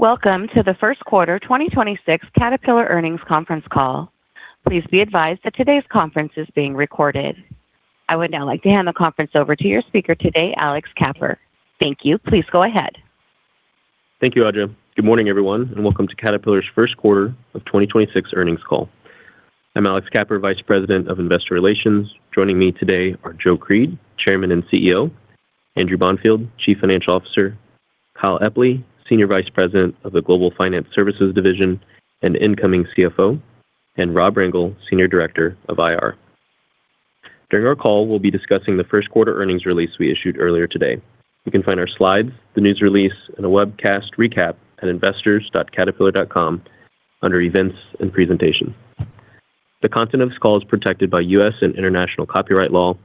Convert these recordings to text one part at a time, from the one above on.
Welcome to the first quarter 2026 Caterpillar earnings conference call. Please be advised that today's conference is being recorded. I would now like to hand the conference over to your speaker today, Alex Kapper. Thank you. Please go ahead. Thank you, Audra. Good morning, everyone, and welcome to Caterpillar's first quarter of 2026 earnings call. I'm Alex Kapper, Vice President of Investor Relations. Joining me today are Joe Creed, Chairman and CEO, Andrew Bonfield, Chief Financial Officer, Kyle Epley, Senior Vice President of the Global Finance Services Division and Incoming CFO, and Rob Rangel, Senior Director of IR. During our call, we'll be discussing the 1st quarter earnings release we issued earlier today. You can find our slides, the news release, and a webcast recap at investors.caterpillar.com under Events and Presentation. The content of this call is protected by U.S. and international copyright law.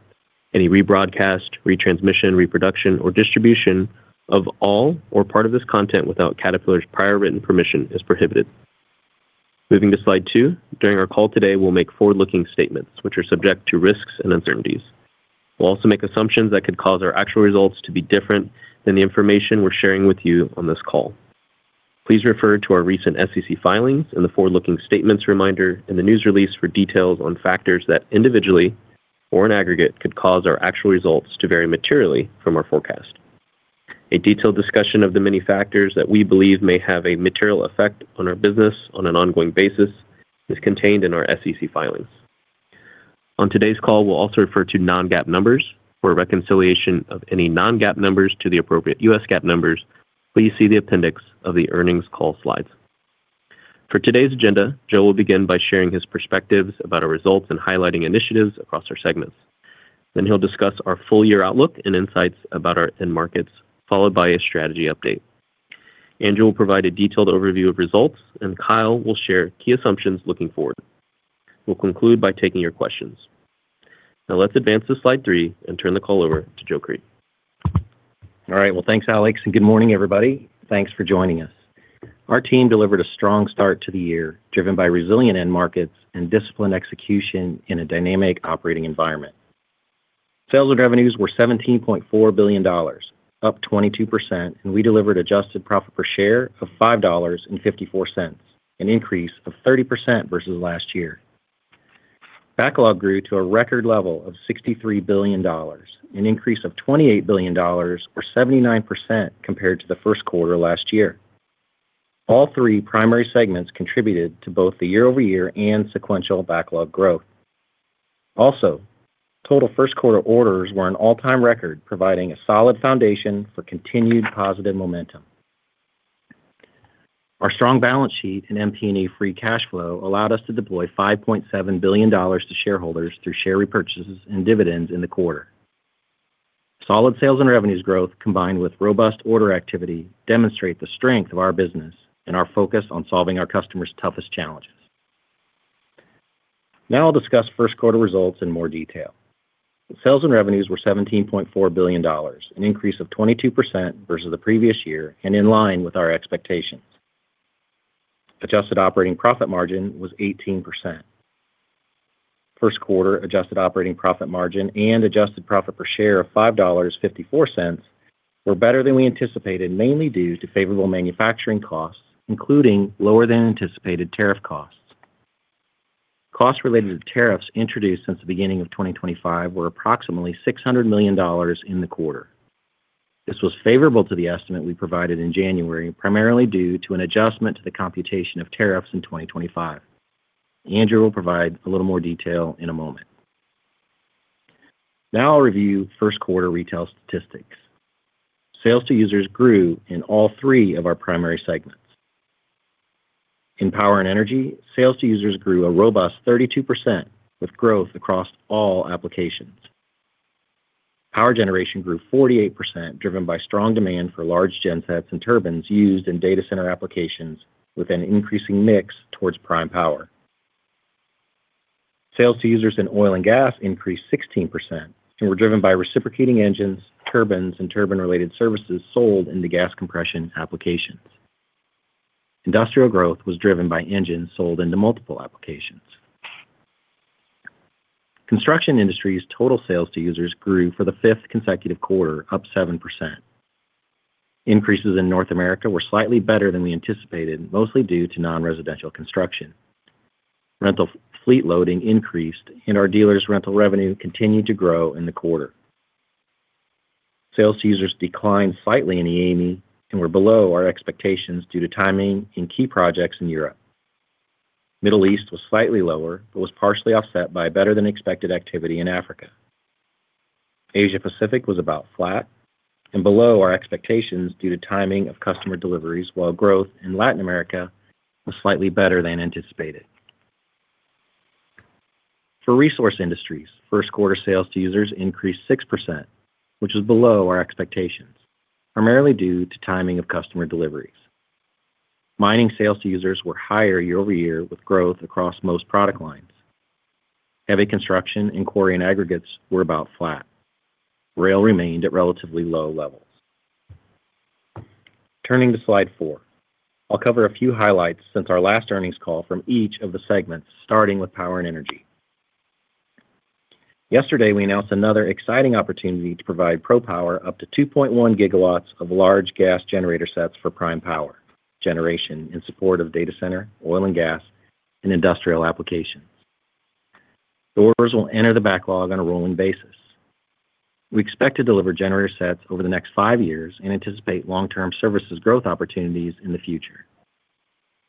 Any rebroadcast, retransmission, reproduction, or distribution of all or part of this content without Caterpillar's prior written permission is prohibited. Moving to slide two. During our call today, we'll make forward-looking statements which are subject to risks and uncertainties. We'll also make assumptions that could cause our actual results to be different than the information we're sharing with you on this call. Please refer to our recent SEC filings and the forward-looking statements reminder in the news release for details on factors that individually or in aggregate could cause our actual results to vary materially from our forecast. A detailed discussion of the many factors that we believe may have a material effect on our business on an ongoing basis is contained in our SEC filings. On today's call, we'll also refer to non-GAAP numbers. For a reconciliation of any non-GAAP numbers to the appropriate U.S. GAAP numbers, please see the appendix of the earnings call slides. For today's agenda, Joe will begin by sharing his perspectives about our results and highlighting initiatives across our segments. He'll discuss our full year outlook and insights about our end markets, followed by a strategy update. Andrew will provide a detailed overview of results, and Kyle will share key assumptions looking forward. We'll conclude by taking your questions. Let's advance to slide three and turn the call over to Joe Creed. All right. Well, thanks, Alex, and good morning, everybody. Thanks for joining us. Our team delivered a strong start to the year, driven by resilient end markets and disciplined execution in a dynamic operating environment. Sales and revenues were $17.4 billion, up 22%, and we delivered adjusted profit per share of $5.54, an increase of 30% versus last year. Backlog grew to a record level of $63 billion, an increase of $28 billion or 79% compared to the first quarter last year. All 3 primary segments contributed to both the year-over-year and sequential backlog growth. Total first quarter orders were an all-time record, providing a solid foundation for continued positive momentum. Our strong balance sheet and MP&E free cash flow allowed us to deploy $5.7 billion to shareholders through share repurchases and dividends in the quarter. Solid sales and revenues growth combined with robust order activity demonstrate the strength of our business and our focus on solving our customers' toughest challenges. I'll discuss first quarter results in more detail. Sales and revenues were $17.4 billion, an increase of 22% versus the previous year and in line with our expectations. Adjusted operating profit margin was 18%. First quarter adjusted operating profit margin and adjusted profit per share of $5.54 were better than we anticipated, mainly due to favorable manufacturing costs, including lower than anticipated tariff costs. Costs related to tariffs introduced since the beginning of 2025 were approximately $600 million in the quarter. This was favorable to the estimate we provided in January, primarily due to an adjustment to the computation of tariffs in 2025. Andrew will provide a little more detail in a moment. Now I'll review first quarter retail statistics. Sales to users grew in all three of our primary segments. In Power and Energy, sales to users grew a robust 32%, with growth across all applications. Power generation grew 48%, driven by strong demand for large gensets and turbines used in data center applications with an increasing mix towards prime power. Sales to users in oil and gas increased 16% and were driven by reciprocating engines, turbines, and turbine-related services sold into gas compression applications. Industrial growth was driven by engines sold into multiple applications. Construction Industries total sales to users grew for the fifth consecutive quarter, up 7%. Increases in North America were slightly better than we anticipated, mostly due to non-residential construction. Rental fleet loading increased, and our dealers' rental revenue continued to grow in the quarter. Sales to users declined slightly in EAME and were below our expectations due to timing in key projects in Europe. Middle East was slightly lower but was partially offset by better than expected activity in Africa. Asia Pacific was about flat and below our expectations due to timing of customer deliveries while growth in Latin America was slightly better than anticipated. For Resource Industries, first quarter sales to users increased 6%, which was below our expectations, primarily due to timing of customer deliveries. Mining sales to users were higher year-over-year with growth across most product lines. Heavy construction and quarry and aggregates were about flat. Rail remained at relatively low levels. Turning to slide four, I'll cover a few highlights since our last earnings call from each of the segments, starting with Power and Energy. Yesterday, we announced another exciting opportunity to provide ProPower up to 2.1 GW of large gas generator sets for prime power generation in support of data center, oil and gas, and industrial applications. The orders will enter the backlog on a rolling basis. We expect to deliver generator sets over the next five years and anticipate long-term services growth opportunities in the future.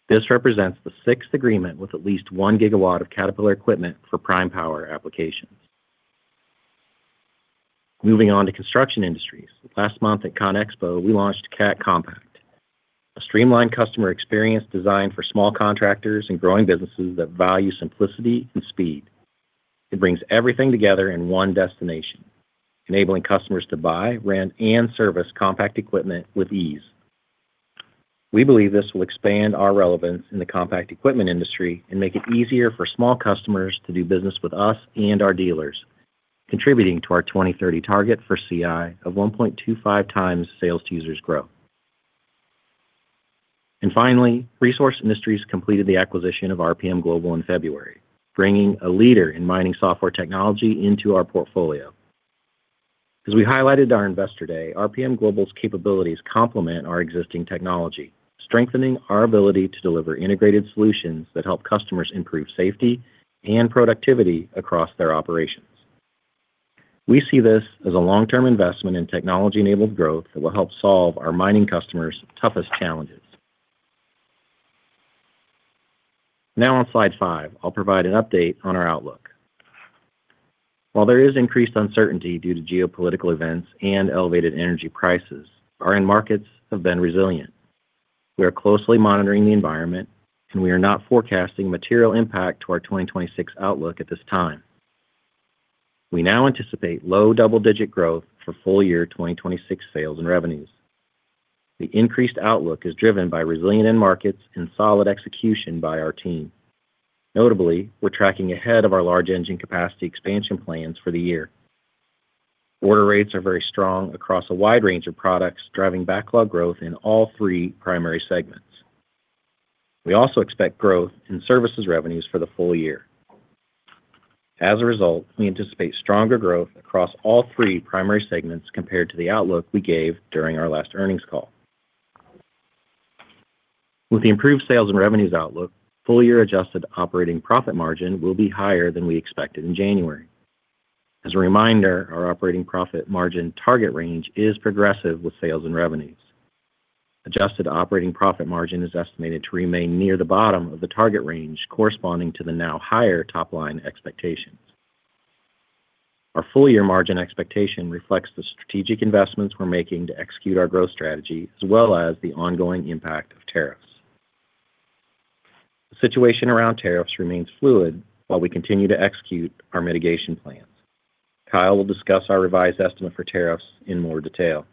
This represents the sixth agreement with at least 1 GW of Caterpillar equipment for prime power applications. Moving on to Construction Industries. Last month at ConExpo, we launched Cat Compact, a streamlined customer experience designed for small contractors and growing businesses that value simplicity and speed. It brings everything together in one destination, enabling customers to buy, rent, and service compact equipment with ease. We believe this will expand our relevance in the compact equipment industry and make it easier for small customers to do business with us and our dealers, contributing to our 2030 target for CI of 1.25x sales to users growth. Finally, Resource Industries completed the acquisition of RPMGlobal in February, bringing a leader in mining software technology into our portfolio. As we highlighted at our Investor Day, RPMGlobal's capabilities complement our existing technology, strengthening our ability to deliver integrated solutions that help customers improve safety and productivity across their operations. We see this as a long-term investment in technology-enabled growth that will help solve our mining customers' toughest challenges. On slide five, I'll provide an update on our outlook. While there is increased uncertainty due to geopolitical events and elevated energy prices, our end markets have been resilient. We are closely monitoring the environment, and we are not forecasting material impact to our 2026 outlook at this time. We now anticipate low double-digit growth for full year 2026 sales and revenues. The increased outlook is driven by resilient end markets and solid execution by our team. Notably, we're tracking ahead of our large engine capacity expansion plans for the year. Order rates are very strong across a wide range of products, driving backlog growth in all three primary segments. We also expect growth in services revenues for the full year. As a result, we anticipate stronger growth across all three primary segments compared to the outlook we gave during our last earnings call. With the improved sales and revenues outlook, full year adjusted operating profit margin will be higher than we expected in January. As a reminder, our operating profit margin target range is progressive with sales and revenues. Adjusted operating profit margin is estimated to remain near the bottom of the target range corresponding to the now higher top-line expectations. Our full year margin expectation reflects the strategic investments we're making to execute our growth strategy as well as the ongoing impact of tariffs. The situation around tariffs remains fluid while we continue to execute our mitigation plans. Kyle will discuss our revised estimate for tariffs in more detail.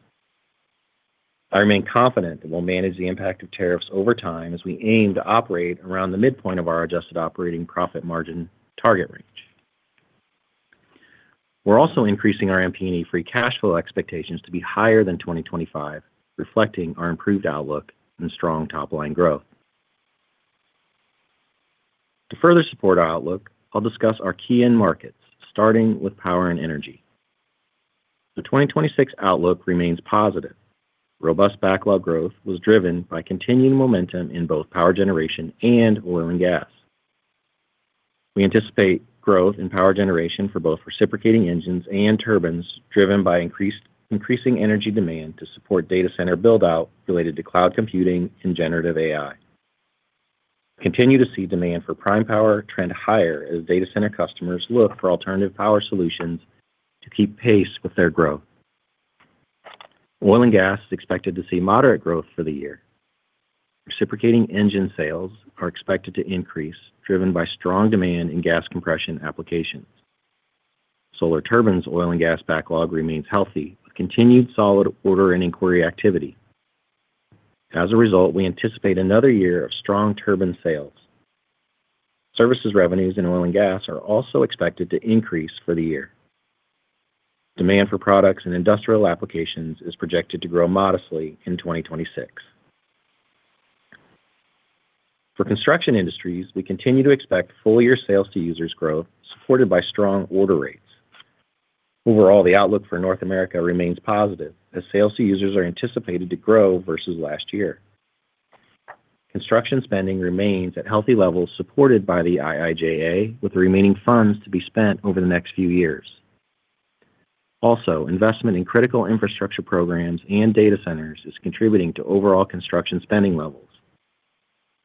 I remain confident that we'll manage the impact of tariffs over time as we aim to operate around the midpoint of our adjusted operating profit margin target range. We're also increasing our MP&E free cash flow expectations to be higher than 2025, reflecting our improved outlook and strong top-line growth. To further support our outlook, I'll discuss our key end markets, starting with Power and Energy. The 2026 outlook remains positive. Robust backlog growth was driven by continuing momentum in both power generation and oil and gas. We anticipate growth in power generation for both reciprocating engines and turbines, driven by increasing energy demand to support data center build-out related to cloud computing and generative AI. We continue to see demand for prime power trend higher as data center customers look for alternative power solutions to keep pace with their growth. Oil and gas is expected to see moderate growth for the year. Reciprocating engine sales are expected to increase, driven by strong demand in gas compression applications. Solar Turbines oil and gas backlog remains healthy with continued solid order and inquiry activity. As a result, we anticipate another year of strong turbine sales. Services revenues in oil and gas are also expected to increase for the year. Demand for products and industrial applications is projected to grow modestly in 2026. For Construction Industries, we continue to expect full year sales to users growth supported by strong order rates. Overall, the outlook for North America remains positive as sales to users are anticipated to grow versus last year. Construction spending remains at healthy levels supported by the IIJA, with the remaining funds to be spent over the next few years. Also, investment in critical infrastructure programs and data centers is contributing to overall construction spending levels.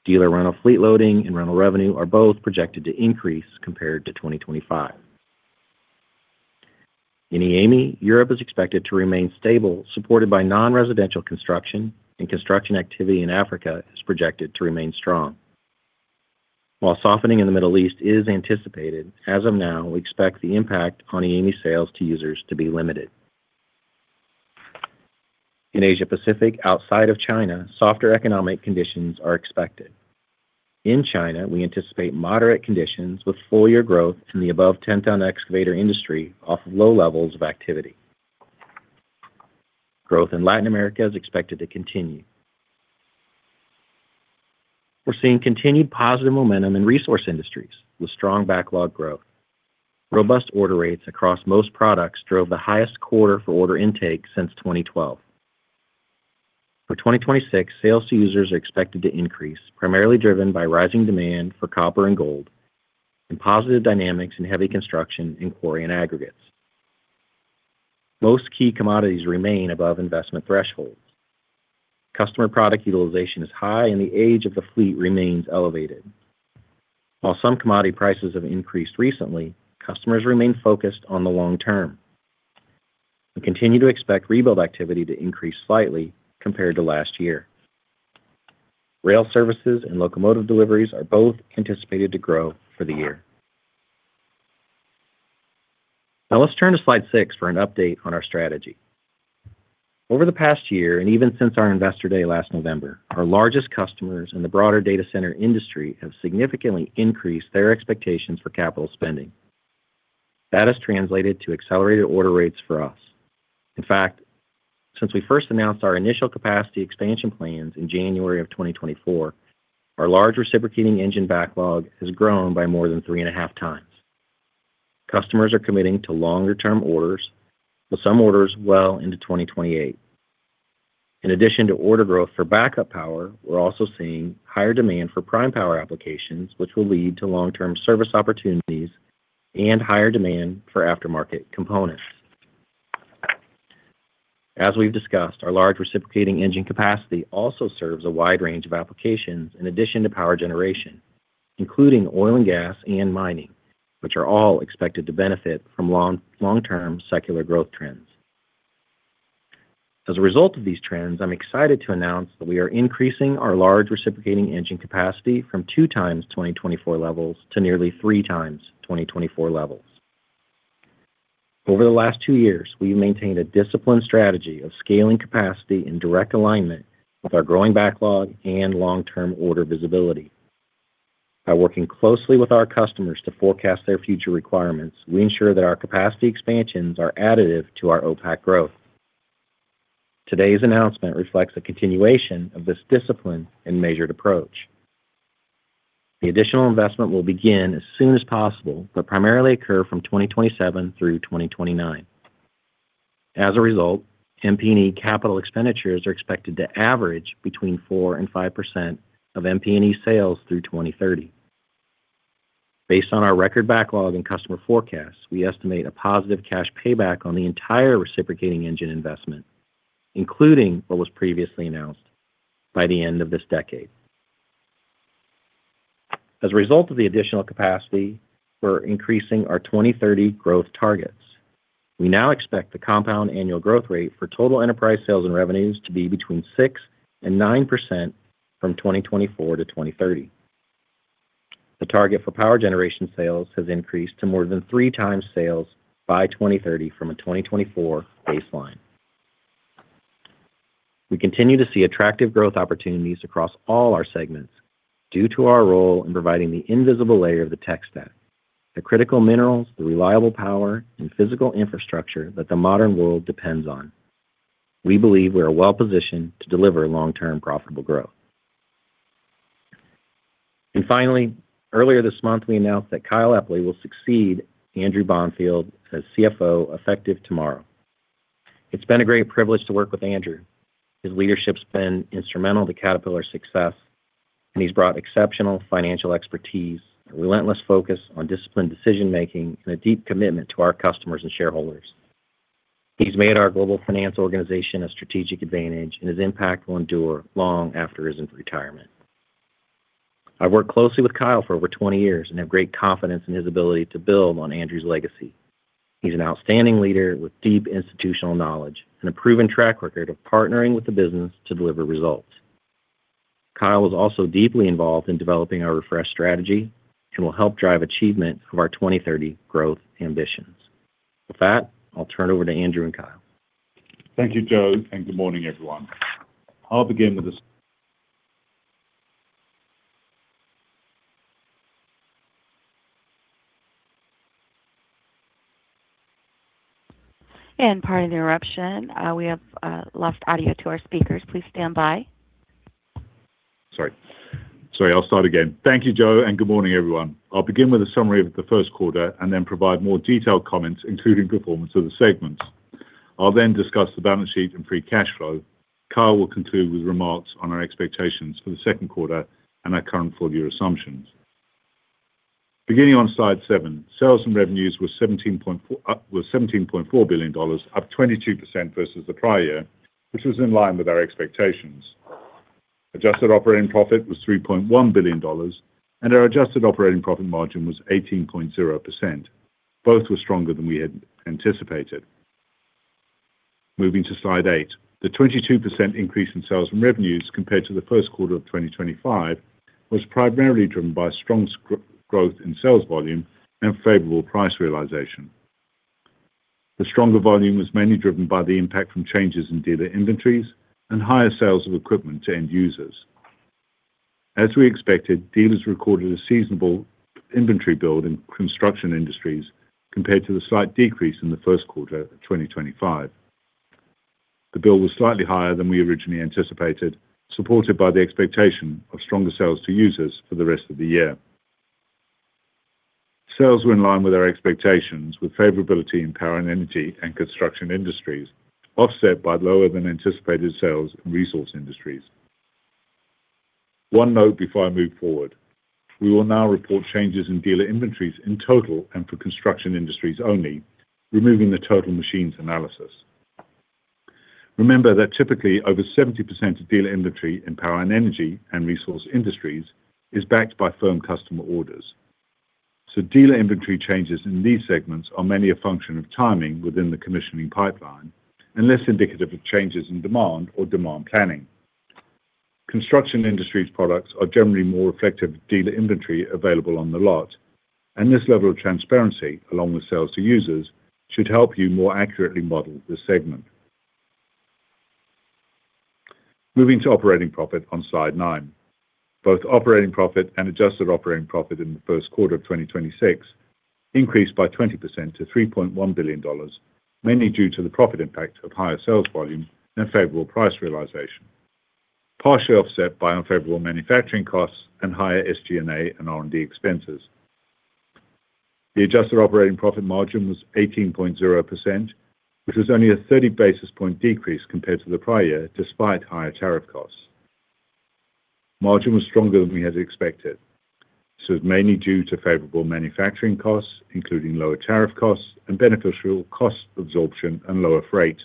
Dealer rental fleet loading and rental revenue are both projected to increase compared to 2025. In EAME, Europe is expected to remain stable, supported by non-residential construction and construction activity in Africa is projected to remain strong. While softening in the Middle East is anticipated, as of now, we expect the impact on EAME sales to users to be limited. In Asia Pacific, outside of China, softer economic conditions are expected. In China, we anticipate moderate conditions with full year growth in the above 10-ton excavator industry off of low levels of activity. Growth in Latin America is expected to continue. We're seeing continued positive momentum in Resource Industries with strong backlog growth. Robust order rates across most products drove the highest quarter for order intake since 2012. For 2026, sales to users are expected to increase, primarily driven by rising demand for copper and gold and positive dynamics in heavy construction in quarry and aggregates. Most key commodities remain above investment thresholds. Customer product utilization is high, and the age of the fleet remains elevated. While some commodity prices have increased recently, customers remain focused on the long term and continue to expect rebuild activity to increase slightly compared to last year. Rail services and locomotive deliveries are both anticipated to grow for the year. Let's turn to slide six for an update on our strategy. Over the past year, and even since our Investor Day last November, our largest customers in the broader data center industry have significantly increased their expectations for capital spending. That has translated to accelerated order rates for us. In fact, since we first announced our initial capacity expansion plans in January of 2024, our large reciprocating engine backlog has grown by more than 3.5x. Customers are committing to longer-term orders, with some orders well into 2028. In addition to order growth for backup power, we're also seeing higher demand for prime power applications, which will lead to long-term service opportunities and higher demand for aftermarket components. As we've discussed, our large reciprocating engine capacity also serves a wide range of applications in addition to power generation, including oil and gas and mining, which are all expected to benefit from long-term secular growth trends. As a result of these trends, I'm excited to announce that we are increasing our large reciprocating engine capacity from 2x 2024 levels to nearly 3x 2024 levels. Over the last two years, we've maintained a disciplined strategy of scaling capacity in direct alignment with our growing backlog and long-term order visibility. By working closely with our customers to forecast their future requirements, we ensure that our capacity expansions are additive to our OPACC growth. Today's announcement reflects a continuation of this discipline and measured approach. The additional investment will begin as soon as possible, but primarily occur from 2027 through 2029. As a result, MP&E capital expenditures are expected to average between 4% and 5% of MP&E sales through 2030. Based on our record backlog and customer forecasts, we estimate a positive cash payback on the entire reciprocating engine investment, including what was previously announced by the end of this decade. As a result of the additional capacity, we're increasing our 2030 growth targets. We now expect the compound annual growth rate for total enterprise sales and revenues to be between 6% and 9% from 2024 to 2030. The target for power generation sales has increased to more than 3x sales by 2030 from a 2024 baseline. We continue to see attractive growth opportunities across all our segments due to our role in providing the invisible layer of the tech stack, the critical minerals, the reliable power and physical infrastructure that the modern world depends on. We believe we are well-positioned to deliver long-term profitable growth. Finally, earlier this month, we announced that Kyle Epley will succeed Andrew Bonfield as CFO effective tomorrow. It's been a great privilege to work with Andrew. His leadership's been instrumental to Caterpillar's success, and he's brought exceptional financial expertise, a relentless focus on disciplined decision-making, and a deep commitment to our customers and shareholders. He's made our global finance organization a strategic advantage, and his impact will endure long after his retirement. I've worked closely with Kyle for over 20 years and have great confidence in his ability to build on Andrew's legacy. He's an outstanding leader with deep institutional knowledge and a proven track record of partnering with the business to deliver results. Kyle was also deeply involved in developing our refresh strategy and will help drive achievement of our 2030 growth ambitions. With that, I'll turn it over to Andrew and Kyle. Thank you, Joe, and good morning, everyone. Pardon the interruption. We have lost audio to our speakers. Please stand by. Sorry, I'll start again. Thank you, Joe, and good morning, everyone. I'll begin with a summary of the first quarter and then provide more detailed comments, including performance of the segments. I'll then discuss the balance sheet and free cash flow. Kyle will conclude with remarks on our expectations for the second quarter and our current full-year assumptions. Beginning on slide seven, sales and revenues were $17.4 billion, up 22% versus the prior year, which was in line with our expectations. Adjusted operating profit was $3.1 billion, and our adjusted operating profit margin was 18.0%. Both were stronger than we had anticipated. Moving to slide eight. The 22% increase in sales and revenues compared to the first quarter of 2025 was primarily driven by strong growth in sales volume and favorable price realization. The stronger volume was mainly driven by the impact from changes in dealer inventories and higher sales of equipment to end users. As we expected, dealers recorded a seasonal inventory build in Construction Industries compared to the slight decrease in the first quarter of 2025. The build was slightly higher than we originally anticipated, supported by the expectation of stronger sales to users for the rest of the year. Sales were in line with our expectations, with favorability in Power and Energy and Construction Industries, offset by lower than anticipated sales in Resource Industries. One note before I move forward. We will now report changes in dealer inventories in total and for Construction Industries only, removing the total machines analysis. Remember that typically over 70% of dealer inventory in Power and Energy and Resource Industries is backed by firm customer orders. Dealer inventory changes in these segments are mainly a function of timing within the commissioning pipeline and less indicative of changes in demand or demand planning. Construction Industries products are generally more reflective of dealer inventory available on the lot, and this level of transparency, along with sales to users, should help you more accurately model the segment. Moving to operating profit on slide nine. Both operating profit and adjusted operating profit in the first quarter of 2026 increased by 20% to $3.1 billion, mainly due to the profit impact of higher sales volume and favorable price realization, partially offset by unfavorable manufacturing costs and higher SG&A and R&D expenses. The adjusted operating profit margin was 18.0%, which was only a 30 basis point decrease compared to the prior year despite higher tariff costs. Margin was stronger than we had expected. This is mainly due to favorable manufacturing costs, including lower tariff costs and beneficial cost absorption and lower freight.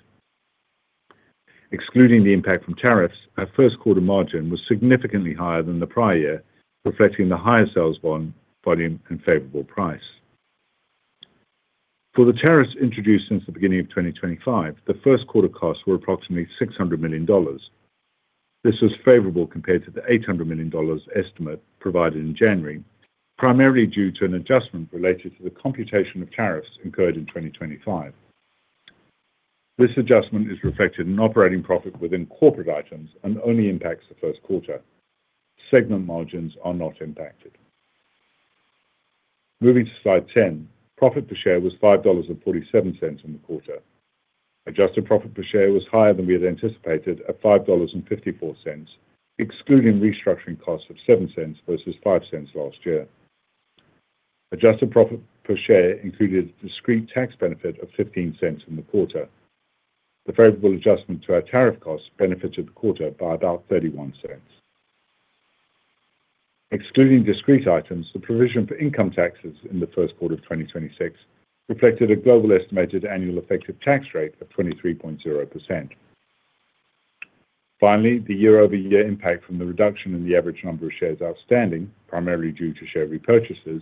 Excluding the impact from tariffs, our first quarter margin was significantly higher than the prior year, reflecting the higher sales volume and favorable price. For the tariffs introduced since the beginning of 2025, the first quarter costs were approximately $600 million. This was favorable compared to the $800 million estimate provided in January, primarily due to an adjustment related to the computation of tariffs incurred in 2025. This adjustment is reflected in operating profit within corporate items and only impacts the first quarter. Segment margins are not impacted. Moving to slide 10, profit per share was $5.47 in the quarter. Adjusted profit per share was higher than we had anticipated at $5.54, excluding restructuring costs of $0.07 versus $0.05 last year. Adjusted profit per share included a discrete tax benefit of $0.15 in the quarter. The favorable adjustment to our tariff costs benefited the quarter by about $0.31. Excluding discrete items, the provision for income taxes in the first quarter of 2026 reflected a global estimated annual effective tax rate of 23.0%. Finally, the year-over-year impact from the reduction in the average number of shares outstanding, primarily due to share repurchases,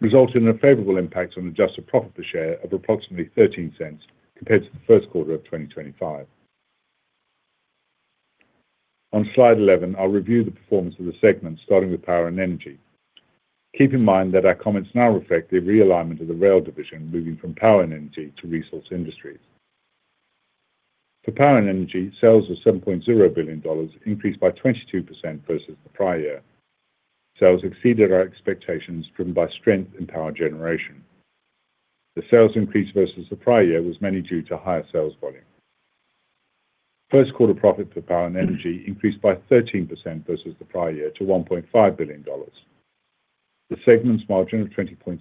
resulted in a favorable impact on adjusted profit per share of approximately $0.13 compared to the first quarter of 2025. On slide 11, I'll review the performance of the segment, starting with Power and Energy. Keep in mind that our comments now reflect the realignment of the rail division, moving from Power and Energy to Resource Industries. For Power and Energy, sales of $7.0 billion increased by 22% versus the prior year. Sales exceeded our expectations, driven by strength in power generation. The sales increase versus the prior year was mainly due to higher sales volume. First quarter profit for Power and Energy increased by 13% versus the prior year to $1.5 billion. The segment's margin of 20.6%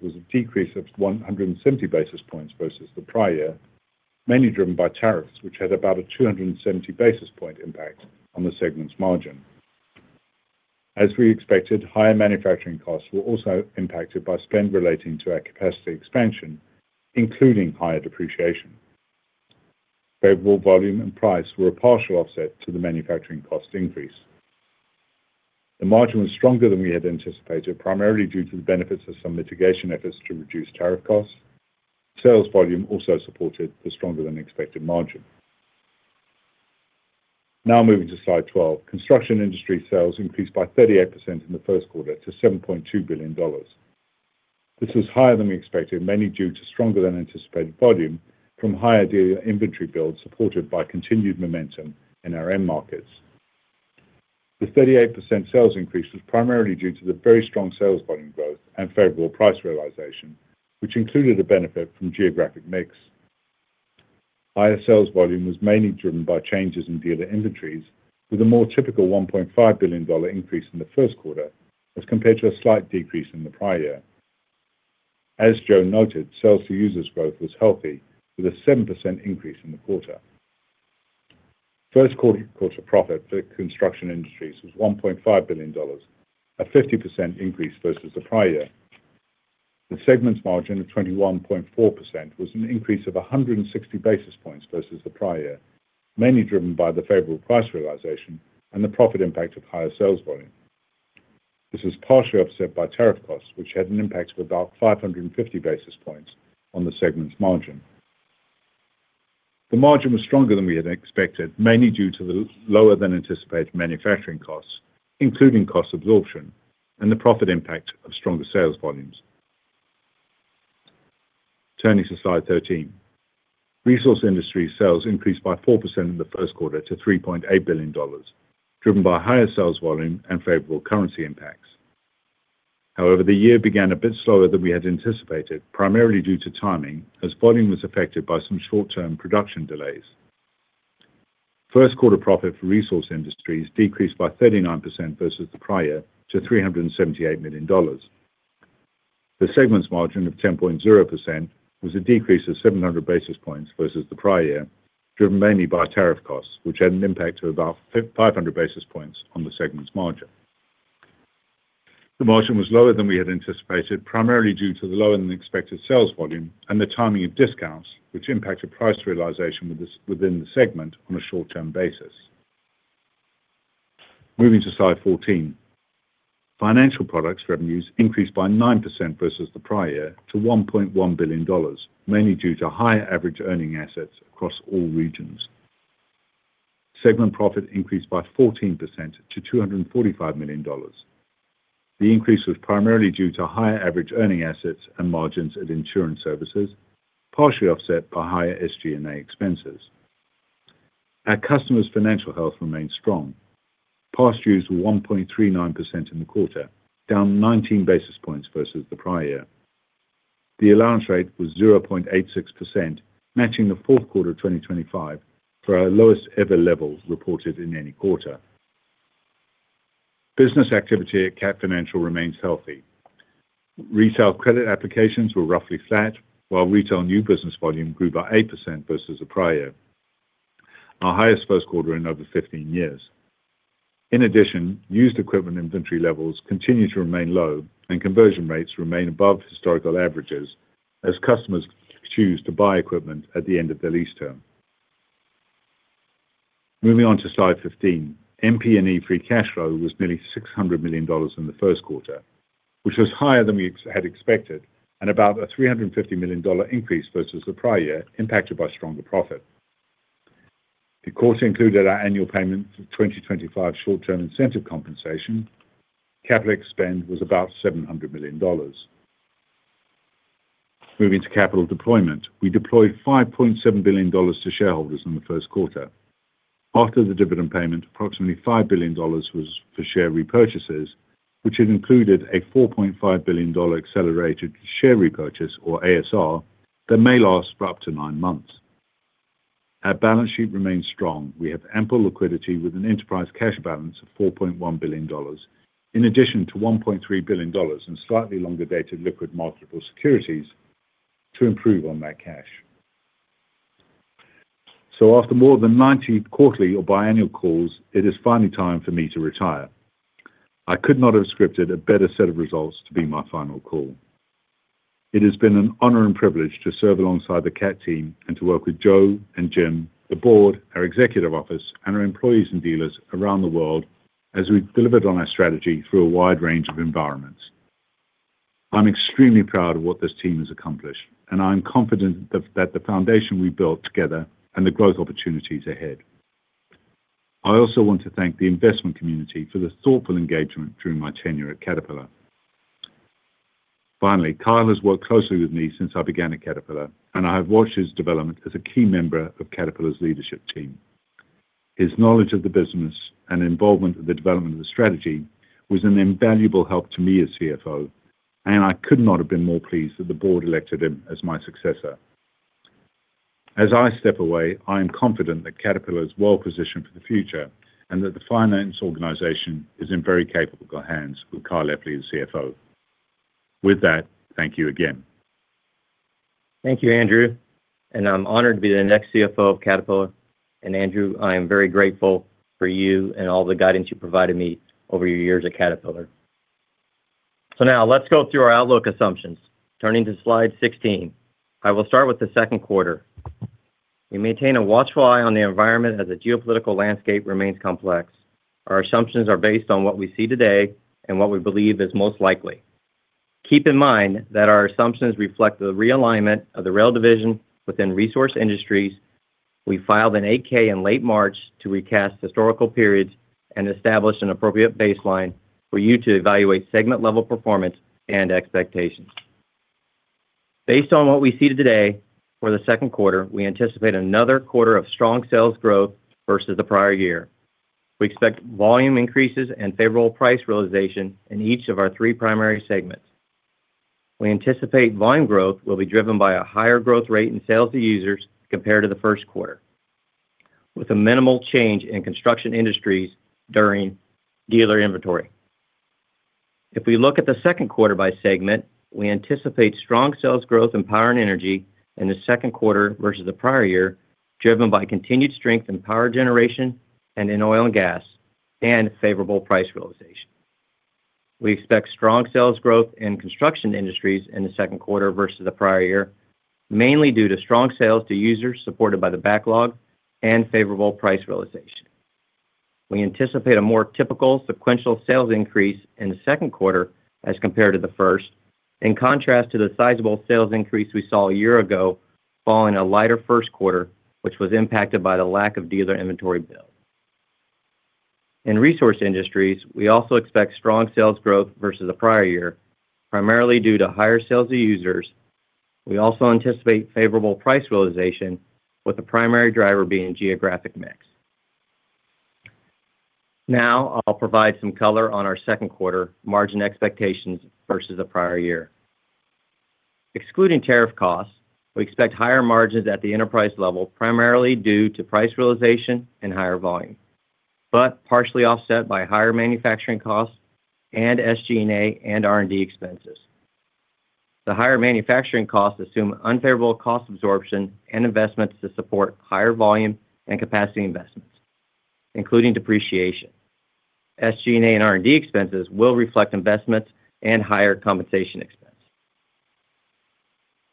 was a decrease of 170 basis points versus the prior year, mainly driven by tariffs, which had about a 270 basis point impact on the segment's margin. As we expected, higher manufacturing costs were also impacted by spend relating to our capacity expansion, including higher depreciation. Favorable volume and price were a partial offset to the manufacturing cost increase. The margin was stronger than we had anticipated, primarily due to the benefits of some mitigation efforts to reduce tariff costs. Sales volume also supported the stronger than expected margin. Now moving to slide 12. Construction Industries sales increased by 38% in the first quarter to $7.2 billion. This was higher than we expected, mainly due to stronger than anticipated volume from higher dealer inventory build supported by continued momentum in our end markets. The 38% sales increase was primarily due to the very strong sales volume growth and favorable price realization, which included a benefit from geographic mix. Higher sales volume was mainly driven by changes in dealer inventories with a more typical $1.5 billion increase in the first quarter as compared to a slight decrease in the prior year. As Joe noted, sales to users growth was healthy with a 7% increase in the quarter. First quarter profit for Construction Industries was $1.5 billion, a 50% increase versus the prior year. The segment's margin of 21.4% was an increase of 160 basis points versus the prior year, mainly driven by the favorable price realization and the profit impact of higher sales volume. This was partially offset by tariff costs, which had an impact of about 550 basis points on the segment's margin. The margin was stronger than we had expected, mainly due to the lower than anticipated manufacturing costs, including cost absorption and the profit impact of stronger sales volumes. Turning to slide 13. Resource Industries sales increased by 4% in the first quarter to $3.8 billion, driven by higher sales volume and favorable currency impacts. However, the year began a bit slower than we had anticipated, primarily due to timing, as volume was affected by some short-term production delays. First quarter profit for Resource Industries decreased by 39% versus the prior to $378 million. The segment's margin of 10.0% was a decrease of 700 basis points versus the prior year, driven mainly by tariff costs, which had an impact of about 500 basis points on the segment's margin. The margin was lower than we had anticipated, primarily due to the lower than expected sales volume and the timing of discounts which impacted price realization within the segment on a short-term basis. Moving to slide 14. Financial products revenues increased by 9% versus the prior year to $1.1 billion, mainly due to higher average earning assets across all regions. Segment profit increased by 14% to $245 million. The increase was primarily due to higher average earning assets and margins at insurance services, partially offset by higher SG&A expenses. Our customers' financial health remains strong. Past due is 1.39% in the quarter, down 19 basis points versus the prior year. The allowance rate was 0.86%, matching the fourth quarter of 2025 for our lowest ever levels reported in any quarter. Business activity at Cat Financial remains healthy. Retail credit applications were roughly flat, while retail new business volume grew by 8% versus the prior, our highest first quarter in over 15 years. In addition, used equipment inventory levels continue to remain low and conversion rates remain above historical averages as customers choose to buy equipment at the end of their lease term. Moving on to slide 15. MP&E free cash flow was nearly $600 million in the first quarter, which was higher than we had expected and about a $350 million increase versus the prior year impacted by stronger profit. The quarter included our annual payment for 2025 short-term incentive compensation. Capital spend was about $700 million. Moving to capital deployment. We deployed $5.7 billion to shareholders in the first quarter. After the dividend payment, approximately $5 billion was for share repurchases, which had included a $4.5 billion accelerated share repurchase or ASR that may last for up to 9 months. Our balance sheet remains strong. We have ample liquidity with an enterprise cash balance of $4.1 billion, in addition to $1.3 billion in slightly longer-dated liquid marketable securities to improve on that cash. After more than 90 quarterly or biannual calls, it is finally time for me to retire. I could not have scripted a better set of results to be my final call. It has been an honor and privilege to serve alongside the Cat team and to work with Joe and Jim, the board, our executive office, and our employees and dealers around the world as we've delivered on our strategy through a wide range of environments. I'm extremely proud of what this team has accomplished, and I'm confident that the foundation we built together and the growth opportunities ahead. I also want to thank the investment community for the thoughtful engagement through my tenure at Caterpillar. Finally, Kyle has worked closely with me since I began at Caterpillar, and I have watched his development as a key member of Caterpillar's leadership team. His knowledge of the business and involvement in the development of the strategy was an invaluable help to me as CFO, and I could not have been more pleased that the board elected him as my successor. As I step away, I am confident that Caterpillar is well positioned for the future and that the finance organization is in very capable hands with Kyle Epley as CFO. With that, thank you again. Thank you, Andrew. I'm honored to be the next CFO of Caterpillar. Andrew, I am very grateful for you and all the guidance you provided me over your years at Caterpillar. Now let's go through our outlook assumptions. Turning to slide 16. I will start with the 2nd quarter. We maintain a watchful eye on the environment as the geopolitical landscape remains complex. Our assumptions are based on what we see today and what we believe is most likely. Keep in mind that our assumptions reflect the realignment of the rail division within Resource Industries. We filed an 8-K in late March to recast historical periods and establish an appropriate baseline for you to evaluate segment-level performance and expectations. Based on what we see today for the 2nd quarter, we anticipate another quarter of strong sales growth versus the prior year. We expect volume increases and favorable price realization in each of our three primary segments. We anticipate volume growth will be driven by a higher growth rate in sales to users compared to the first quarter, with a minimal change in Construction Industries during dealer inventory. We look at the second quarter by segment, we anticipate strong sales growth in Power and Energy in the second quarter versus the prior year, driven by continued strength in power generation and in oil and gas and favorable price realization. We expect strong sales growth in Construction Industries in the second quarter versus the prior year, mainly due to strong sales to users supported by the backlog and favorable price realization. We anticipate a more typical sequential sales increase in the second quarter as compared to the first, in contrast to the sizable sales increase we saw a year ago following a lighter first quarter, which was impacted by the lack of dealer inventory build. In Resource Industries, we also expect strong sales growth versus the prior year, primarily due to higher sales to users. We also anticipate favorable price realization, with the primary driver being geographic mix. Now I'll provide some color on our second quarter margin expectations versus the prior year. Excluding tariff costs, we expect higher margins at the enterprise level, primarily due to price realization and higher volume, but partially offset by higher manufacturing costs and SG&A and R&D expenses. The higher manufacturing costs assume unfavorable cost absorption and investments to support higher volume and capacity investments, including depreciation. SG&A and R&D expenses will reflect investments and higher compensation expense.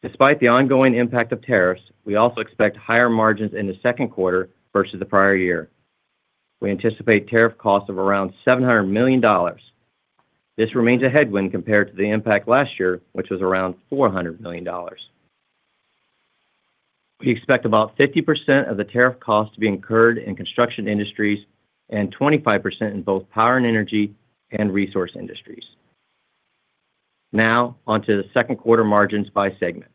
Despite the ongoing impact of tariffs, we also expect higher margins in the second quarter versus the prior year. We anticipate tariff costs of around $700 million. This remains a headwind compared to the impact last year, which was around $400 million. We expect about 50% of the tariff cost to be incurred in Construction Industries and 25% in both Power and Energy and Resource Industries. On to the second quarter margins by segment.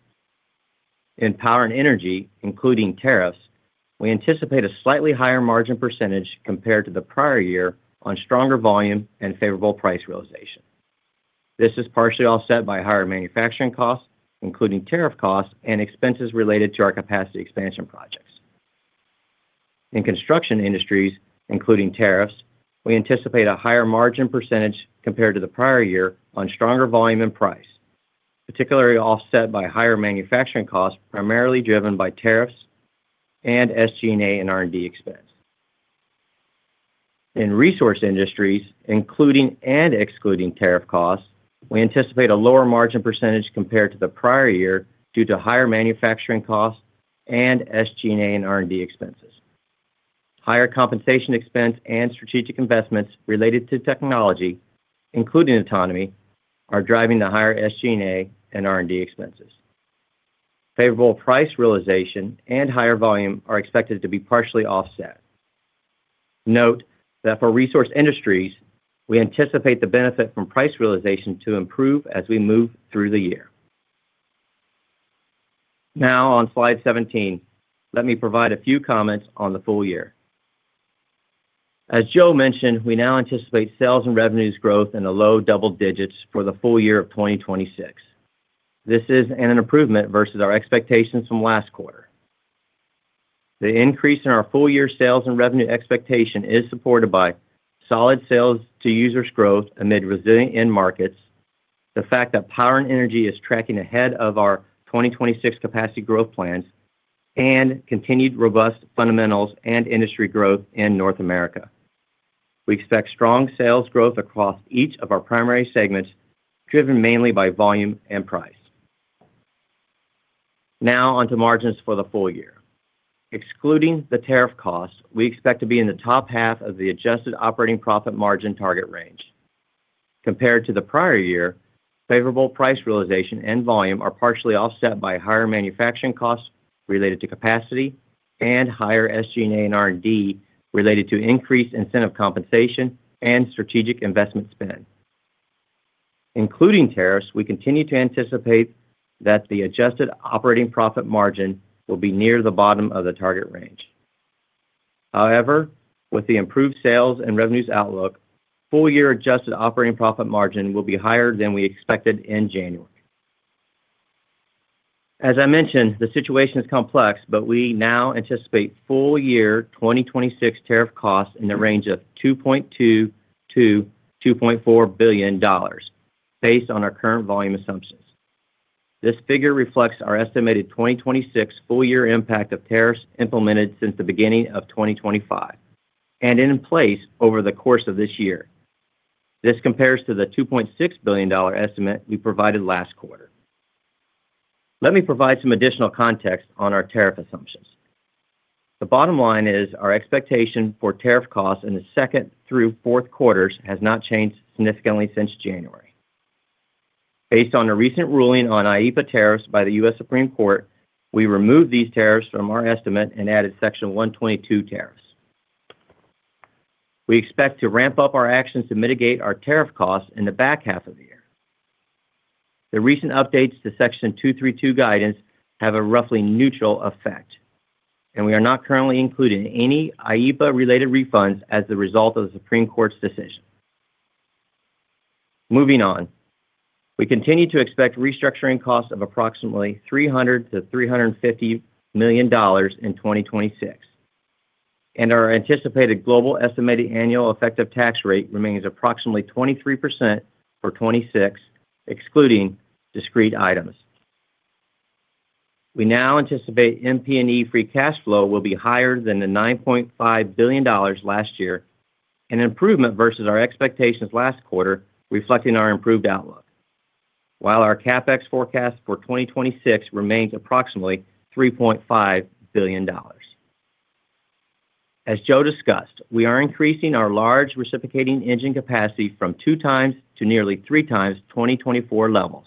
In Power and Energy, including tariffs, we anticipate a slightly higher margin % compared to the prior year on stronger volume and favorable price realization. This is partially offset by higher manufacturing costs, including tariff costs and expenses related to our capacity expansion projects. In Construction Industries, including tariffs, we anticipate a higher margin percentage compared to the prior year on stronger volume and price, particularly offset by higher manufacturing costs, primarily driven by tariffs and SG&A and R&D expense. In Resource Industries, including and excluding tariff costs, we anticipate a lower margin percentage compared to the prior year due to higher manufacturing costs and SG&A and R&D expenses. Higher compensation expense and strategic investments related to technology, including autonomy, are driving the higher SG&A and R&D expenses. Favorable price realization and higher volume are expected to be partially offset. Note that for Resource Industries, we anticipate the benefit from price realization to improve as we move through the year. On slide 17, let me provide a few comments on the full year. As Joe mentioned, we now anticipate sales and revenues growth in the low double digits for the full year of 2026. This is an improvement versus our expectations from last quarter. The increase in our full year sales and revenue expectation is supported by solid sales to users growth amid resilient end markets, the fact that Power and Energy is tracking ahead of our 2026 capacity growth plans, and continued robust fundamentals and industry growth in North America. We expect strong sales growth across each of our primary segments, driven mainly by volume and price. Now on to margins for the full year. Excluding the tariff cost, we expect to be in the top half of the adjusted operating profit margin target range. Compared to the prior year, favorable price realization and volume are partially offset by higher manufacturing costs related to capacity and higher SG&A and R&D related to increased incentive compensation and strategic investment spend. Including tariffs, we continue to anticipate that the adjusted operating profit margin will be near the bottom of the target range. With the improved sales and revenues outlook, full year adjusted operating profit margin will be higher than we expected in January. As I mentioned, the situation is complex, we now anticipate full year 2026 tariff costs in the range of $2.2 billion-$2.4 billion based on our current volume assumptions. This figure reflects our estimated 2026 full year impact of tariffs implemented since the beginning of 2025 and in place over the course of this year. This compares to the $2.6 billion estimate we provided last quarter. Let me provide some additional context on our tariff assumptions. The bottom line is our expectation for tariff costs in the 2nd through 4th quarters has not changed significantly since January. Based on a recent ruling on IEPA tariffs by the U.S. Supreme Court, we removed these tariffs from our estimate and added Section 122 tariffs. We expect to ramp up our actions to mitigate our tariff costs in the back half of the year. The recent updates to Section 232 guidance have a roughly neutral effect, and we are not currently including any IEPA-related refunds as the result of the Supreme Court's decision. We continue to expect restructuring costs of approximately $300 million-$350 million in 2026. Our anticipated global estimated annual effective tax rate remains approximately 23% for 2026, excluding discrete items. We now anticipate MP&E free cash flow will be higher than the $9.5 billion last year, an improvement versus our expectations last quarter, reflecting our improved outlook. Our CapEx forecast for 2026 remains approximately $3.5 billion. As Joe discussed, we are increasing our large reciprocating engine capacity from 2x to nearly 3x 2024 levels,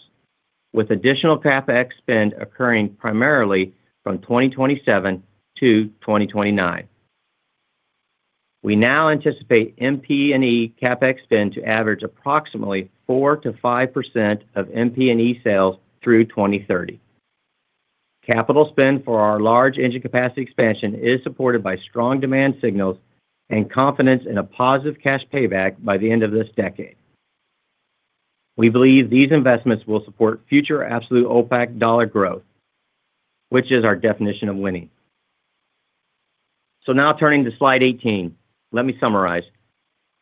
with additional CapEx spend occurring primarily from 2027-2029. We now anticipate MP&E CapEx spend to average approximately 4%-5% of MP&E sales through 2030. Capital spend for our large engine capacity expansion is supported by strong demand signals and confidence in a positive cash payback by the end of this decade. We believe these investments will support future absolute OPACC dollar growth, which is our definition of winning. Now turning to slide 18, let me summarize.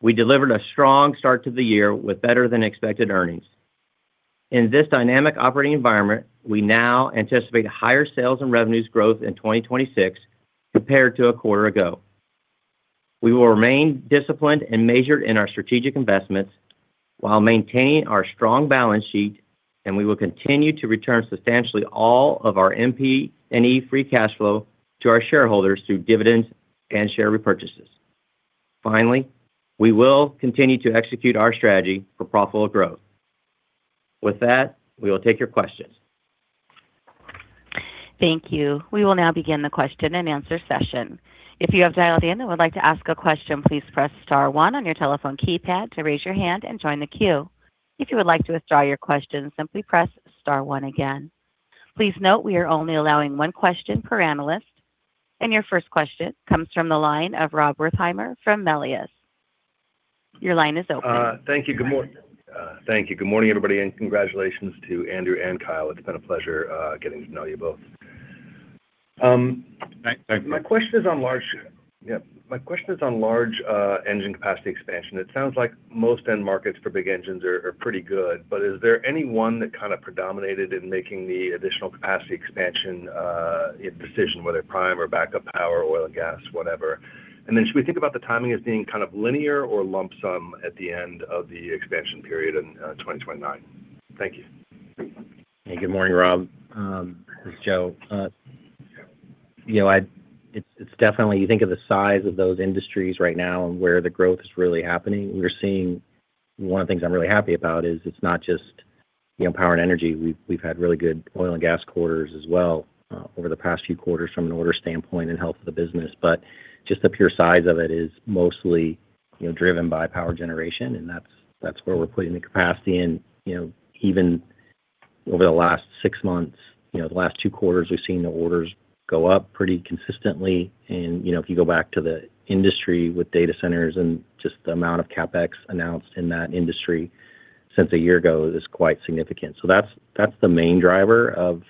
We delivered a strong start to the year with better than expected earnings. In this dynamic operating environment, we now anticipate higher sales and revenues growth in 2026 compared to a quarter ago. We will remain disciplined and measured in our strategic investments while maintaining our strong balance sheet, and we will continue to return substantially all of our MP&E free cash flow to our shareholders through dividends and share repurchases. Finally, we will continue to execute our strategy for profitable growth. With that, we will take your questions. Thank you. We will now begin the question-and-answer session. If you have dialed in and would like to ask a question, please press star one on your telephone keypad to raise your hand and join the queue. If you would like to withdraw your question, simply press star one again. Please note we are only allowing one question per analyst. Your first question comes from the line of Rob Wertheimer from Melius. Your line is open. Thank you. Good morning, everybody, and congratulations to Andrew and Kyle. It's been a pleasure getting to know you both. Thank you. My question is on large engine capacity expansion. It sounds like most end markets for big engines are pretty good, but is there any one that kind of predominated in making the additional capacity expansion decision, whether prime or backup power, oil and gas, whatever? Should we think about the timing as being kind of linear or lump sum at the end of the expansion period in 2029? Thank you. Good morning, Rob. This is Joe. You know, it's definitely you think of the size of those industries right now and where the growth is really happening. One of the things I'm really happy about is it's not just, you know, Power and Energy. We've had really good oil and gas quarters as well over the past few quarters from an order standpoint and health of the business. Just the pure size of it is mostly, you know, driven by power generation, and that's where we're putting the capacity in. You know, even over the last six months, you know, the last two quarters, we've seen the orders go up pretty consistently. You know, if you go back to the industry with data centers and just the amount of CapEx announced in that industry since a year ago is quite significant. That's, that's the main driver of,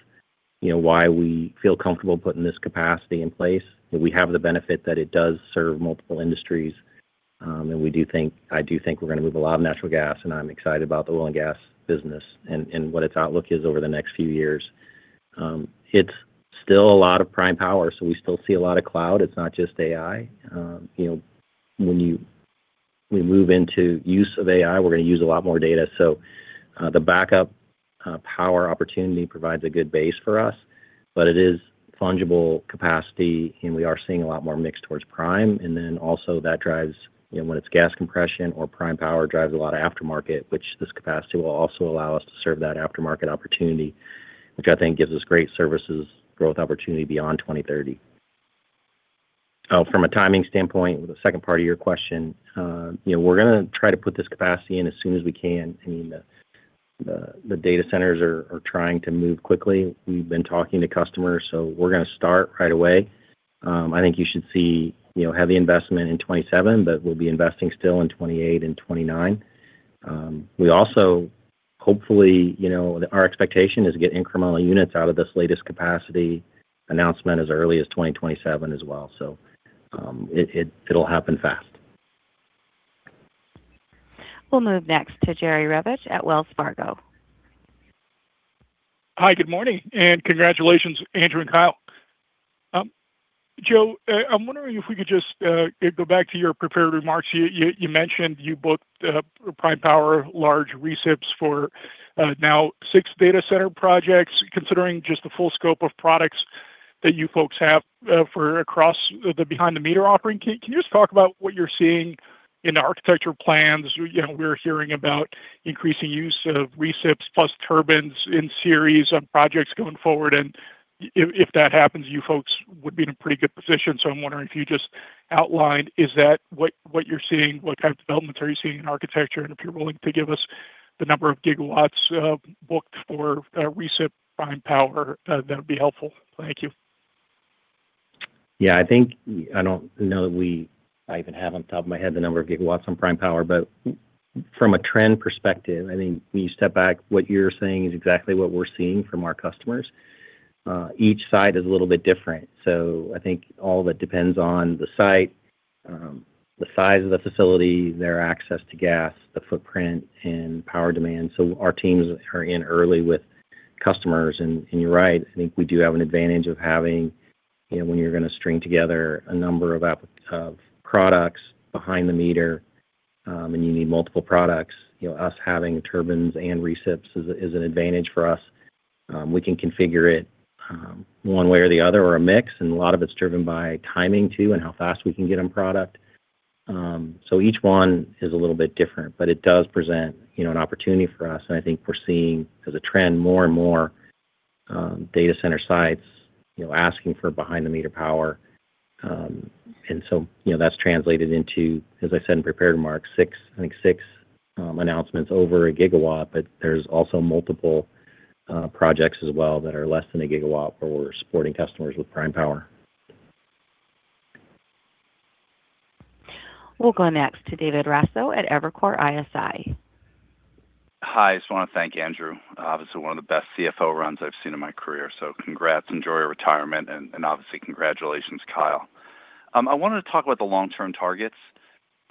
you know, why we feel comfortable putting this capacity in place. We have the benefit that it does serve multiple industries, and I do think we're gonna move a lot of natural gas, and I'm excited about the oil and gas business and what its outlook is over the next few years. It's still a lot of prime power, so we still see a lot of cloud. It's not just AI. You know, when you, we move into use of AI, we're gonna use a lot more data. The backup power opportunity provides a good base for us, but it is fungible capacity, and we are seeing a lot more mix towards prime. That drives, you know, when it's gas compression or prime power drives a lot of aftermarket, which this capacity will also allow us to serve that aftermarket opportunity, which I think gives us great services growth opportunity beyond 2030. From a timing standpoint, the second part of your question, you know, we're gonna try to put this capacity in as soon as we can. I mean, the data centers are trying to move quickly. We've been talking to customers, we're gonna start right away. I think you should see, you know, heavy investment in 2027, but we'll be investing still in 2028 and 2029. We also hopefully, our expectation is to get incremental units out of this latest capacity announcement as early as 2027 as well. It'll happen fast. We'll move next to Jerry Revich at Wells Fargo. Hi, good morning, congratulations, Andrew and Kyle. Joe, I'm wondering if we could just go back to your prepared remarks. You mentioned you booked ProPower large recips for now 6 data center projects. Considering just the full scope of products that you folks have for across the behind-the-meter offering, can you just talk about what you're seeing in the architecture plans? You know, we're hearing about increasing use of recips plus turbines in series of projects going forward and if that happens, you folks would be in a pretty good position. I'm wondering if you just outlined is that what you're seeing? What kind of developments are you seeing in architecture? If you're willing to give us the number of gigawatts booked for recip ProPower, that'd be helpful. Thank you. Yeah, I think, I don't know that I even have on top of my head the number of gigawatts on prime power. From a trend perspective, I think when you step back, what you're saying is exactly what we're seeing from our customers. Each site is a little bit different, I think all that depends on the site, the size of the facility, their access to gas, the footprint, and power demand. Our teams are in early with customers. You're right, I think we do have an advantage of having, you know, when you're gonna string together a number of products behind the meter, you need multiple products, you know, us having turbines and recips is an advantage for us. We can configure it, one way or the other or a mix, and a lot of it's driven by timing too and how fast we can get them product. Each one is a little bit different, but it does present, you know, an opportunity for us. I think we're seeing as a trend more and more, data center sites, you know, asking for behind-the-meter power. You know, that's translated into, as I said in prepared remarks, 6, I think 6, announcements over 1 gigawatt, but there's also multiple projects as well that are less than 1 gigawatt where we're supporting customers with prime power. We'll go next to David Raso at Evercore ISI. Hi, I just want to thank Andrew. Obviously, one of the best CFO runs I've seen in my career. Congrats. Enjoy your retirement. Obviously, congratulations, Kyle. I wanted to talk about the long-term targets.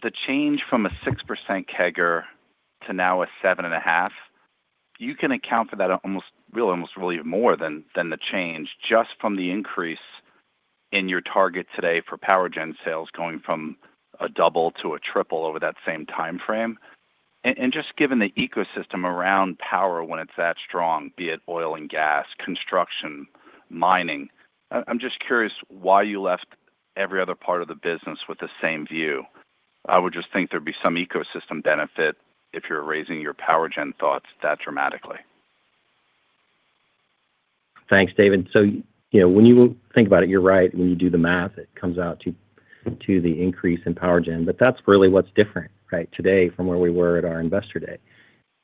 The change from a 6% CAGR to now a 7.5, you can account for that almost really more than the change just from the increase in your target today for power gen sales going from a 2x to a 3x over that same timeframe. Just given the ecosystem around power when it's that strong, be it oil and gas, construction, mining, I'm just curious why you left every other part of the business with the same view. I would just think there'd be some ecosystem benefit if you're raising your power gen thoughts that dramatically. Thanks, David. You know, when you think about it, you're right. When you do the math, it comes out to the increase in power gen. That's really what's different, right? Today from where we were at our investor day.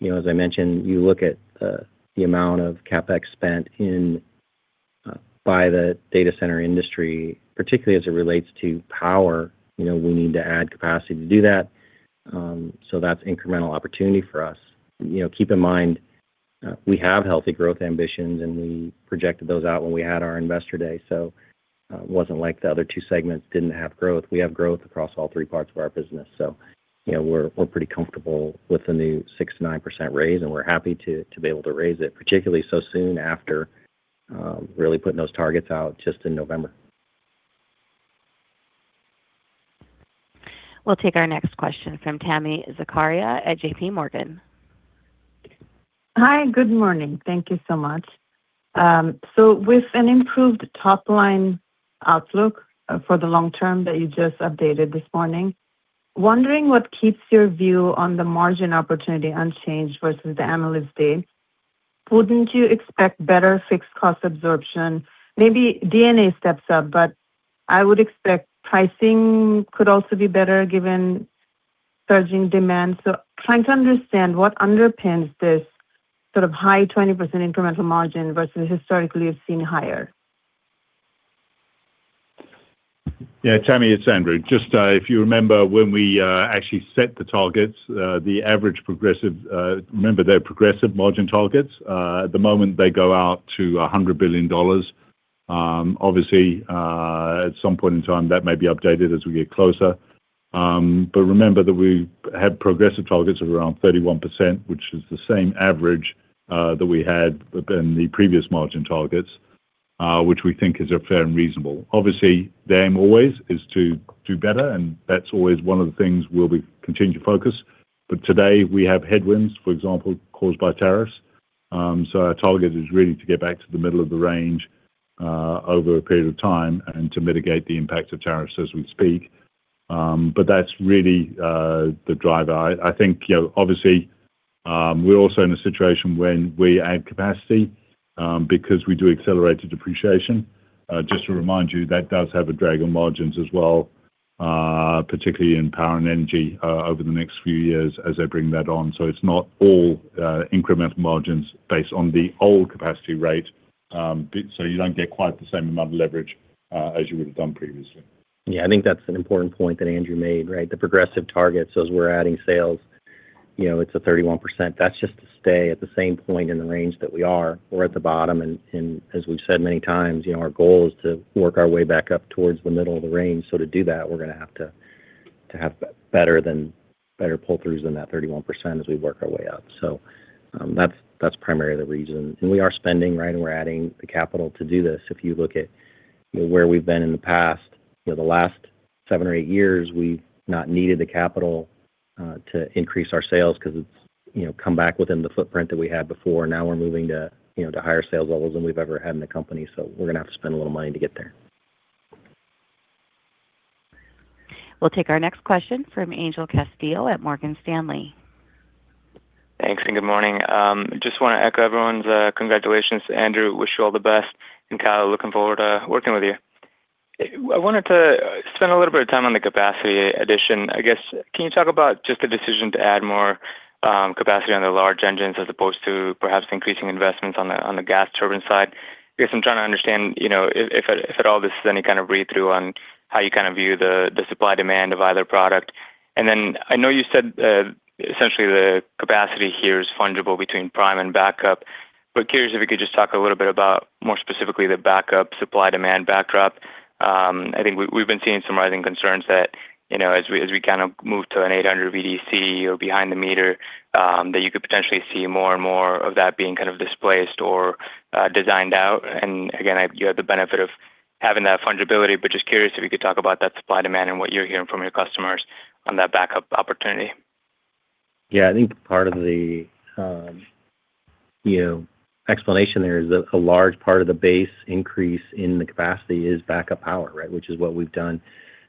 You know, as I mentioned, you look at the amount of CapEx spent in by the data center industry, particularly as it relates to power. You know, we need to add capacity to do that. That's incremental opportunity for us. You know, keep in mind, we have healthy growth ambitions, and we projected those out when we had our investor day. It wasn't like the other 2 segments didn't have growth. We have growth across all three parts of our business. You know, we're pretty comfortable with the new 6% to 9% raise, and we're happy to be able to raise it, particularly so soon after really putting those targets out just in November. We'll take our next question from Tami Zakaria at JPMorgan. Hi, good morning. Thank you so much. With an improved top-line outlook for the long term that you just updated this morning, wondering what keeps your view on the margin opportunity unchanged versus the analyst date. Wouldn't you expect better fixed cost absorption? Maybe D&A steps up, but I would expect pricing could also be better given surging demand. Trying to understand what underpins this sort of high 20% incremental margin versus historically you've seen higher. Tami, it's Andrew. Just, if you remember when we actually set the targets, the average progressive, remember they're progressive margin targets. At the moment they go out to $100 billion. Obviously, at some point in time, that may be updated as we get closer. Remember that we have progressive targets of around 31%, which is the same average that we had within the previous margin targets, which we think is a fair and reasonable. Obviously, the aim always is to do better, and that's always one of the things we'll be continuing to focus. Today we have headwinds, for example, caused by tariffs. Our target is really to get back to the middle of the range over a period of time and to mitigate the impact of tariffs as we speak. That's really the driver. I think, you know, obviously, we're also in a situation when we add capacity, because we do accelerated depreciation. Just to remind you, that does have a drag on margins as well, particularly in Power and Energy, over the next few years as they bring that on. It's not all incremental margins based on the old capacity rate. You don't get quite the same amount of leverage as you would have done previously. Yeah, I think that's an important point that Andrew made, right? The progressive targets as we're adding sales, you know, it's a 31%. That's just to stay at the same point in the range that we are. We're at the bottom, and as we've said many times, you know, our goal is to work our way back up towards the middle of the range. To do that, we're gonna have better than, better pull-throughs than that 31% as we work our way up. That's primarily the reason. We are spending, right? We're adding the capital to do this. If you look at, you know, where we've been in the past, you know, the last seven or eight years, we've not needed the capital to increase our sales because it's, you know, come back within the footprint that we had before. Now we're moving to, you know, to higher sales levels than we've ever had in the company. We're gonna have to spend a little money to get there. We'll take our next question from Angel Castillo at Morgan Stanley. Thanks, and good morning. Just want to echo everyone's congratulations to Andrew. Wish you all the best. Kyle, looking forward to working with you. I wanted to spend a little bit of time on the capacity addition. I guess, can you talk about just the decision to add more capacity on the large engines as opposed to perhaps increasing investments on the gas turbine side? I guess I'm trying to understand, you know, if at all this is any kind of read-through on how you kind of view the supply-demand of either product. I know you said essentially the capacity here is fungible between prime and backup, but curious if you could just talk a little bit about more specifically the backup supply-demand backdrop. I think we've been seeing some rising concerns that, you know, as we, as we kind of move to an 800 VDC or behind the meter, that you could potentially see more and more of that being kind of displaced or designed out. Again, you have the benefit of having that fungibility, but just curious if you could talk about that supply-demand and what you're hearing from your customers on that backup opportunity. Yeah, I think part of the, you know, explanation there is that a large part of the base increase in the capacity is backup power, right? Which is what we've done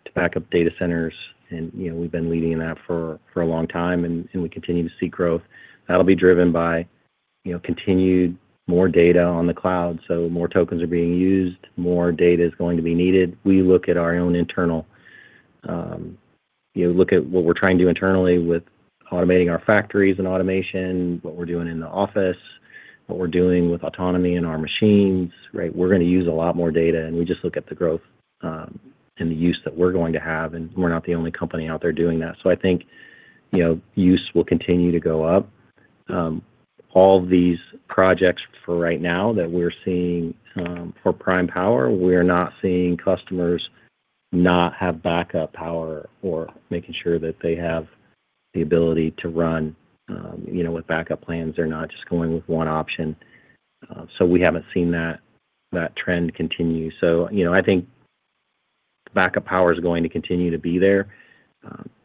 to back up data centers, and, you know, we've been leading in that for a long time, and we continue to see growth. That'll be driven by. You know, continued more data on the cloud, so more tokens are being used, more data is going to be needed. We look at our own internal, you know, look at what we're trying to do internally with automating our factories and automation, what we're doing in the office, what we're doing with autonomy in our machines, right? We're gonna use a lot more data, we just look at the growth, the use that we're going to have, we're not the only company out there doing that. I think, you know, use will continue to go up. All these projects for right now that we're seeing, for prime power, we're not seeing customers not have backup power or making sure that they have the ability to run, you know, with backup plans. They're not just going with one option. We haven't seen that trend continue. You know, I think backup power is gonna continue to be there.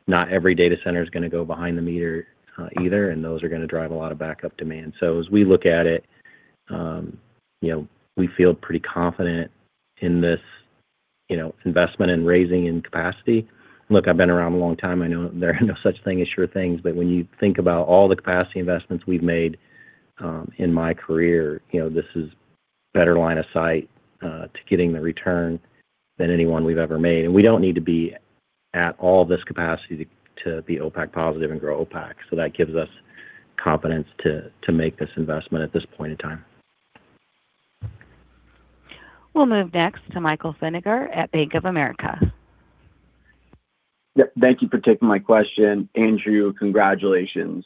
Not every data center is gonna go behind the meter, either, those are gonna drive a lot of backup demand. As we look at it, you know, we feel pretty confident in this, you know, investment and raising in capacity. Look, I've been around a long time. I know there are no such thing as sure things. When you think about all the capacity investments we've made, in my career, you know, this is better line of sight to getting the return than anyone we've ever made. We don't need to be at all this capacity to be OPAC positive and grow OPAC. That gives us confidence to make this investment at this point in time. We'll move next to Michael Feniger at Bank of America. Yep, thank you for taking my question. Andrew, congratulations.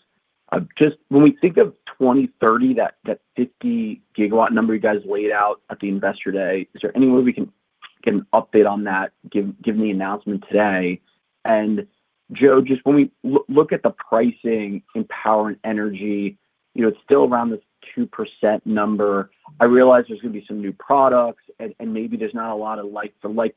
Just when we think of 2030, that 50 gigawatt number you guys laid out at the Investor Day, is there any way we can get an update on that given the announcement today? Joe, just when we look at the pricing in Power and Energy, you know, it's still around this 2% number. I realize there's going to be some new products and maybe there's not a lot of like to like,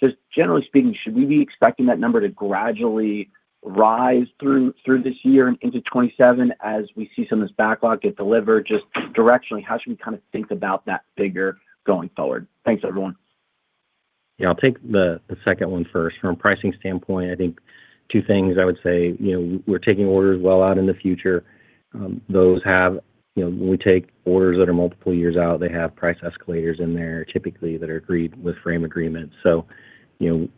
but just generally speaking, should we be expecting that number to gradually rise through this year and into 2027 as we see some of this backlog get delivered? Just directionally, how should we kind of think about that figure going forward? Thanks, everyone. Yeah, I'll take the second one first. From a pricing standpoint, I think two things I would say. You know, we're taking orders well out in the future. You know, when we take orders that are multiple years out, they have price escalators in there typically that are agreed with frame agreements. You know,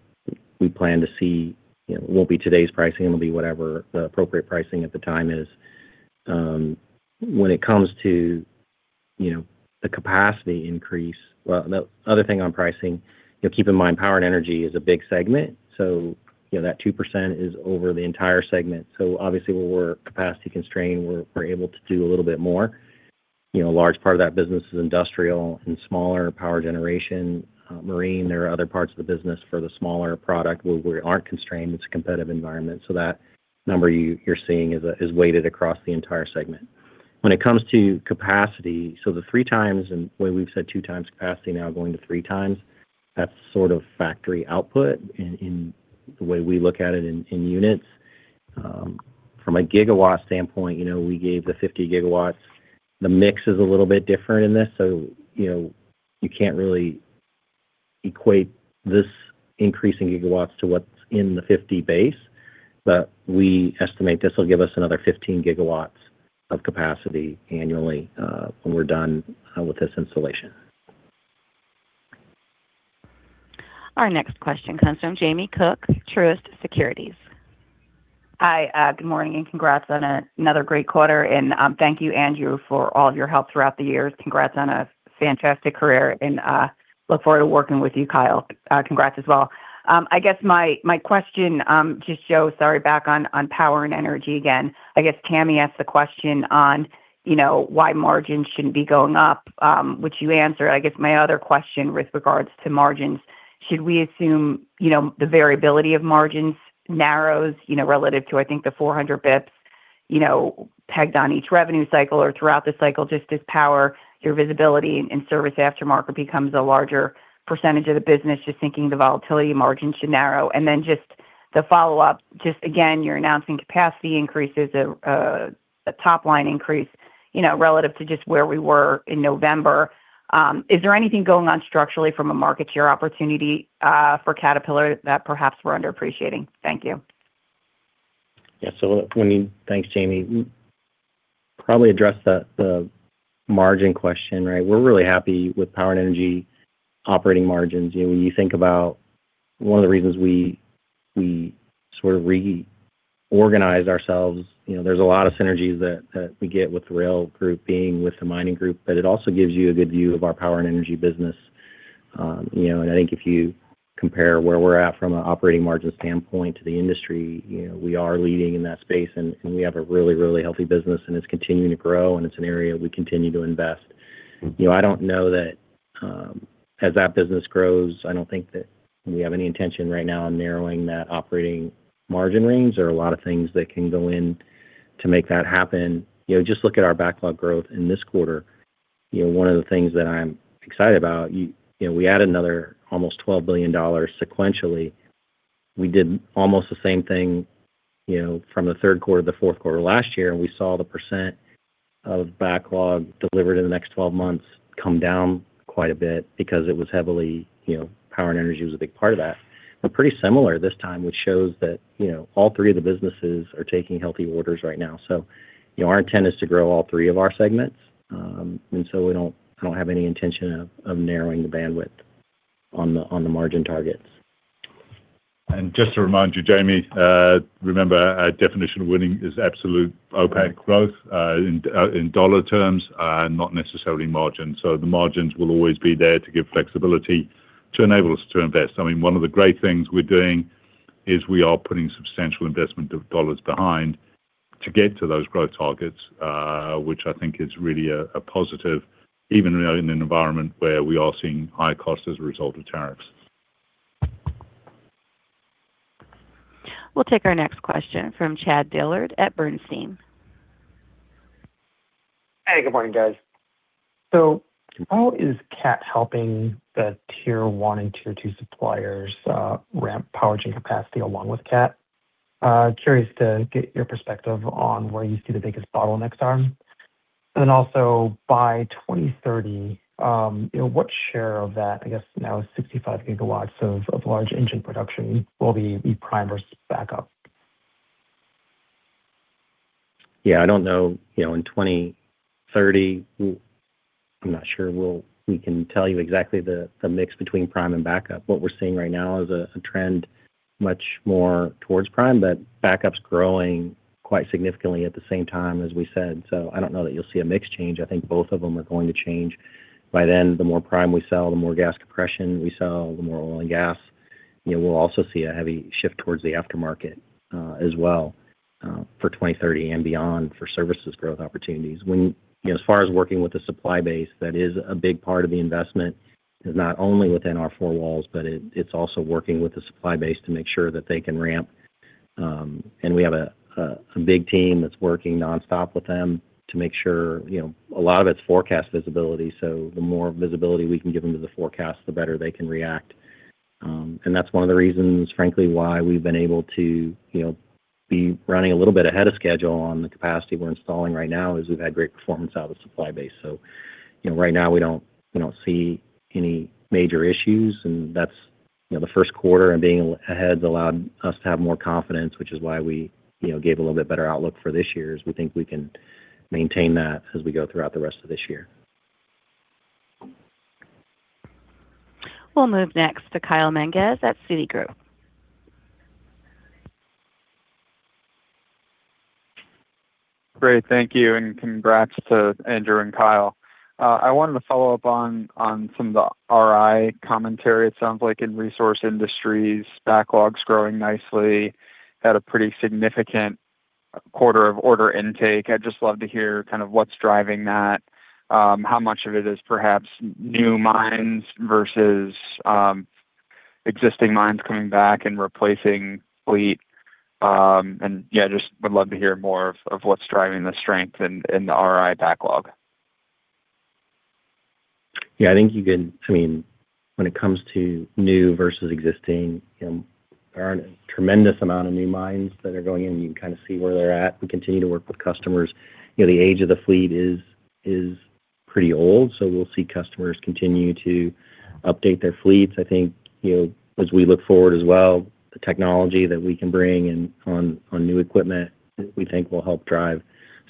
we plan to see, you know, it won't be today's pricing, it'll be whatever the appropriate pricing at the time is. When it comes to, you know, the capacity increase, well, the other thing on pricing, you know, keep in mind Power and Energy is a big segment. You know, that 2% is over the entire segment. Obviously where we're capacity constrained, we're able to do a little bit more. You know, a large part of that business is industrial and smaller power generation, marine. There are other parts of the business for the smaller product where we aren't constrained. It's a competitive environment, that number you're seeing is weighted across the entire segment. When it comes to capacity, the 3x and way we've said 2x capacity now going to 3x, that's sort of factory output in the way we look at it in units. From a gigawatts standpoint, you know, we gave the 50 GW. The mix is a little bit different in this, you know, you can't really equate this increase in gigawatts to what's in the 50 base. We estimate this will give us another 15 gigawatts of capacity annually when we're done with this installation. Our next question comes from Jamie Cook, Truist Securities. Hi, good morning and congrats on another great quarter. Thank you, Andrew, for all your help throughout the years. Congrats on a fantastic career and look forward to working with you, Kyle. Congrats as well. I guess my question, just Joe, sorry, back on Power and Energy again. I guess Tami asked the question on, you know, why margins shouldn't be going up, which you answered. I guess my other question with regards to margins, should we assume, you know, the variability of margins narrows, you know, relative to, I think, the 400 basis points, you know, pegged on each revenue cycle or throughout the cycle just as Power, your visibility and service aftermarket becomes a larger percentage of the business, just thinking the volatility margin should narrow? Just the follow-up, just again, you're announcing capacity increases, a top line increase, you know, relative to just where we were in November. Is there anything going on structurally from a market share opportunity for Caterpillar that perhaps we're underappreciating? Thank you. Let me, thanks, Jamie. Probably address the margin question, right? We're really happy with Power and Energy operating margins. You know, when you think about one of the reasons we sort of reorganized ourselves, you know, there's a lot of synergies that we get with the rail group being with the mining group, it also gives you a good view of our Power and Energy business. You know, I think if you compare where we're at from an operating margin standpoint to the industry, you know, we are leading in that space, we have a really healthy business, it's continuing to grow, it's an area we continue to invest. You know, I don't know that, as that business grows, I don't think that we have any intention right now on narrowing that operating margin range. There are a lot of things that can go in to make that happen. You know, just look at our backlog growth in this quarter. You know, one of the things that I'm excited about, you know, we added another almost $12 billion sequentially. We did almost the same thing, you know, from the third quarter to the fourth quarter last year, and we saw the percent of backlog delivered in the next 12 months come down quite a bit because it was heavily, you know, Power and Energy was a big part of that. We're pretty similar this time, which shows that, you know, all three of the businesses are taking healthy orders right now. You know, our intent is to grow all three of our segments. We don't, I don't have any intention of narrowing the bandwidth on the margin targets. Just to remind you, Jamie, remember our definition of winning is absolute OPACC growth in dollar terms, not necessarily margin. The margins will always be there to give flexibility to enable us to invest. I mean, one of the great things we're doing is we are putting substantial investment of dollars behind to get to those growth targets, which I think is really a positive even, you know, in an environment where we are seeing high costs as a result of tariffs. We'll take our next question from Chad Dillard at Bernstein. Hey, good morning, guys. How is Cat helping the Tier 1 and Tier 2 suppliers, ramp power chain capacity along with Cat? Curious to get your perspective on where you see the biggest bottleneck arm. By 2030, you know, what share of that, I guess now 65 gigawatts of large engine production will be prime versus backup? I don't know, you know, in 2030, we can tell you exactly the mix between prime and backup. What we're seeing right now is a trend much more towards prime, backup's growing quite significantly at the same time as we said. I don't know that you'll see a mix change. I think both of them are going to change. By then, the more prime we sell, the more gas compression we sell, the more oil and gas. You know, we'll also see a heavy shift towards the aftermarket as well for 2030 and beyond for services growth opportunities. You know, as far as working with the supply base, that is a big part of the investment, is not only within our four walls, but it's also working with the supply base to make sure that they can ramp. We have a big team that's working nonstop with them to make sure, you know, a lot of it's forecast visibility, so the more visibility we can give them to the forecast, the better they can react. That's one of the reasons, frankly, why we've been able to, you know, be running a little bit ahead of schedule on the capacity we're installing right now, is we've had great performance out of the supply base. You know, right now we don't see any major issues, and that's, you know, the first quarter and being ahead has allowed us to have more confidence, which is why we, you know, gave a little bit better outlook for this year as we think we can maintain that as we go throughout the rest of this year. We'll move next to Kyle Menges at Citigroup. Great. Thank you, and congrats to Andrew and Kyle. I wanted to follow up on some of the RI commentary. It sounds like in Resource Industries, backlogs growing nicely at a pretty significant quarter of order intake. I'd just love to hear kind of what's driving that, how much of it is perhaps new mines versus existing mines coming back and replacing fleet. Yeah, just would love to hear more of what's driving the strength in the RI backlog. Yeah, I mean, when it comes to new versus existing, you know, there aren't a tremendous amount of new mines that are going in. You can kind of see where they're at. We continue to work with customers. You know, the age of the fleet is pretty old, so we'll see customers continue to update their fleets. I think, you know, as we look forward as well, the technology that we can bring in on new equipment, we think will help drive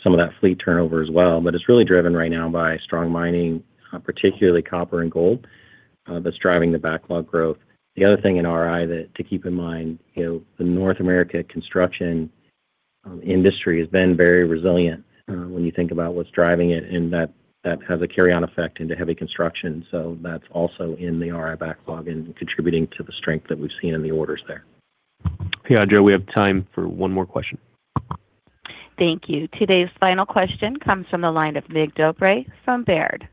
some of that fleet turnover as well. It's really driven right now by strong mining, particularly copper and gold, that's driving the backlog growth. The other thing in RI that to keep in mind, you know, the North America construction industry has been very resilient, when you think about what's driving it, and that has a carry on effect into heavy construction. That's also in the RI backlog and contributing to the strength that we've seen in the orders there. Okay. Audra, we have time for one more question. Thank you. Today's final question comes from the line of Mircea Dobre from Baird.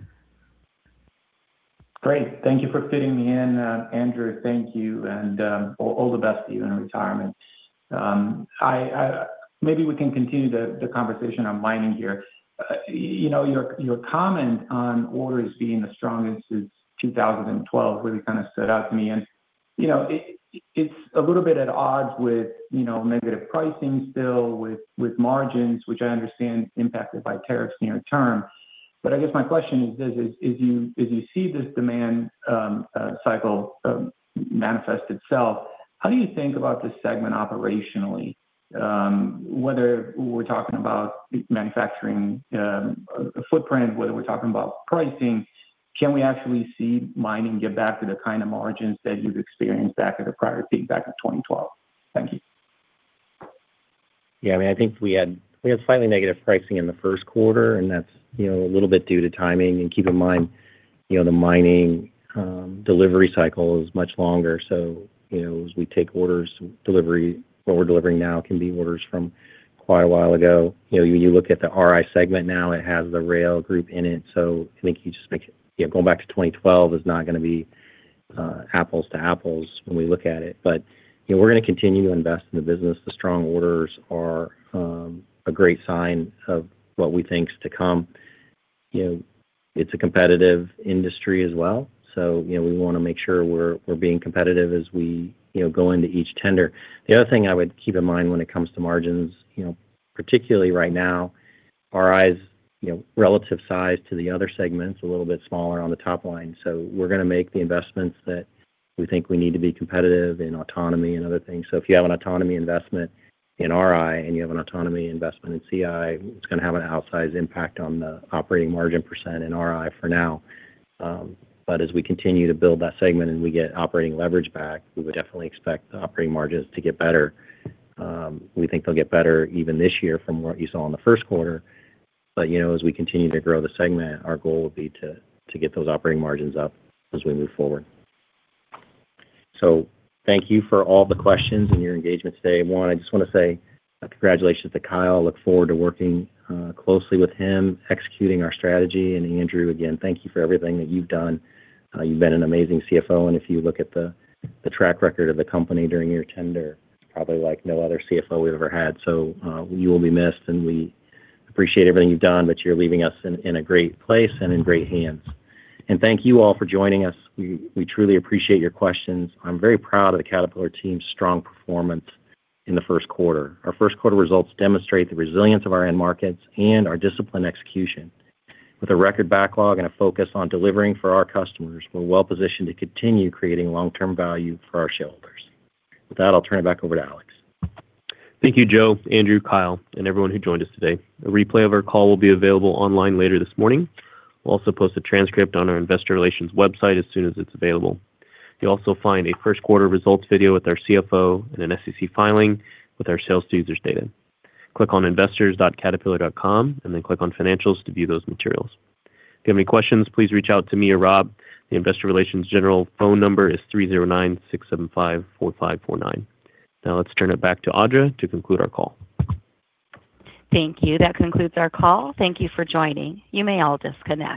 Great. Thank you for fitting me in. Andrew, thank you, and all the best to you in retirement. I, maybe we can continue the conversation on mining here. You know, your comment on orders being the strongest since 2012 really kind of stood out to me. You know, it's a little bit at odds with, you know, negative pricing still with margins, which I understand impacted by tariffs near term. I guess my question is this, is as you see this demand cycle manifest itself, how do you think about this segment operationally? Whether we're talking about manufacturing, a footprint, whether we're talking about pricing, can we actually see mining get back to the kind of margins that you've experienced back at the prior peak back in 2012? Thank you. Yeah. I mean, I think we had, we had slightly negative pricing in the first quarter, and that's, you know, a little bit due to timing. Keep in mind, you know, the mining delivery cycle is much longer. You know, as we take orders, what we're delivering now can be orders from quite a while ago. You know, you look at the RI segment now, it has the rail group in it. I think you just make it. Yeah, going back to 2012 is not gonna be apples to apples when we look at it. You know, we're gonna continue to invest in the business. The strong orders are a great sign of what we think is to come. You know, it's a competitive industry as well, you know, we're being competitive as we, you know, go into each tender. The other thing I would keep in mind when it comes to margins, you know, particularly right now, RI's, you know, relative size to the other segments, a little bit smaller on the top line. We're gonna make the investments that we think we need to be competitive in autonomy and other things. If you have an autonomy investment in RI and you have an autonomy investment in CI, it's gonna have an outsized impact on the operating margin percent in RI for now. As we continue to build that segment and we get operating leverage back, we would definitely expect the operating margins to get better. We think they'll get better even this year from what you saw in the first quarter. You know, as we continue to grow the segment, our goal would be to get those operating margins up as we move forward. Thank you for all the questions and your engagement today. One, I just wanna say a congratulations to Kyle Epley. Look forward to working closely with him, executing our strategy. Andrew Bonfield, again, thank you for everything that you've done. You've been an amazing CFO, and if you look at the track record of the company during your tenure, probably like no other CFO we've ever had. You will be missed, and we appreciate everything you've done, but you're leaving us in a great place and in great hands. Thank you all for joining us. We truly appreciate your questions. I'm very proud of the Caterpillar team's strong performance in the first quarter. Our first quarter results demonstrate the resilience of our end markets and our disciplined execution. With a record backlog and a focus on delivering for our customers, we're well-positioned to continue creating long-term value for our shareholders. With that, I'll turn it back over to Alex. Thank you, Joe, Andrew, Kyle, and everyone who joined us today. A replay of our call will be available online later this morning. We'll also post a transcript on our Investor Relations website as soon as it's available. You'll also find a first quarter results video with our CFO and an SEC filing with our sales users data. Click on investors.caterpillar.com and then click on Financials to view those materials. If you have any questions, please reach out to me or Rob. The Investor Relations general phone number is 309-675-4549. Let's turn it back to Audra to conclude our call. Thank you. That concludes our call. Thank you for joining. You may all disconnect.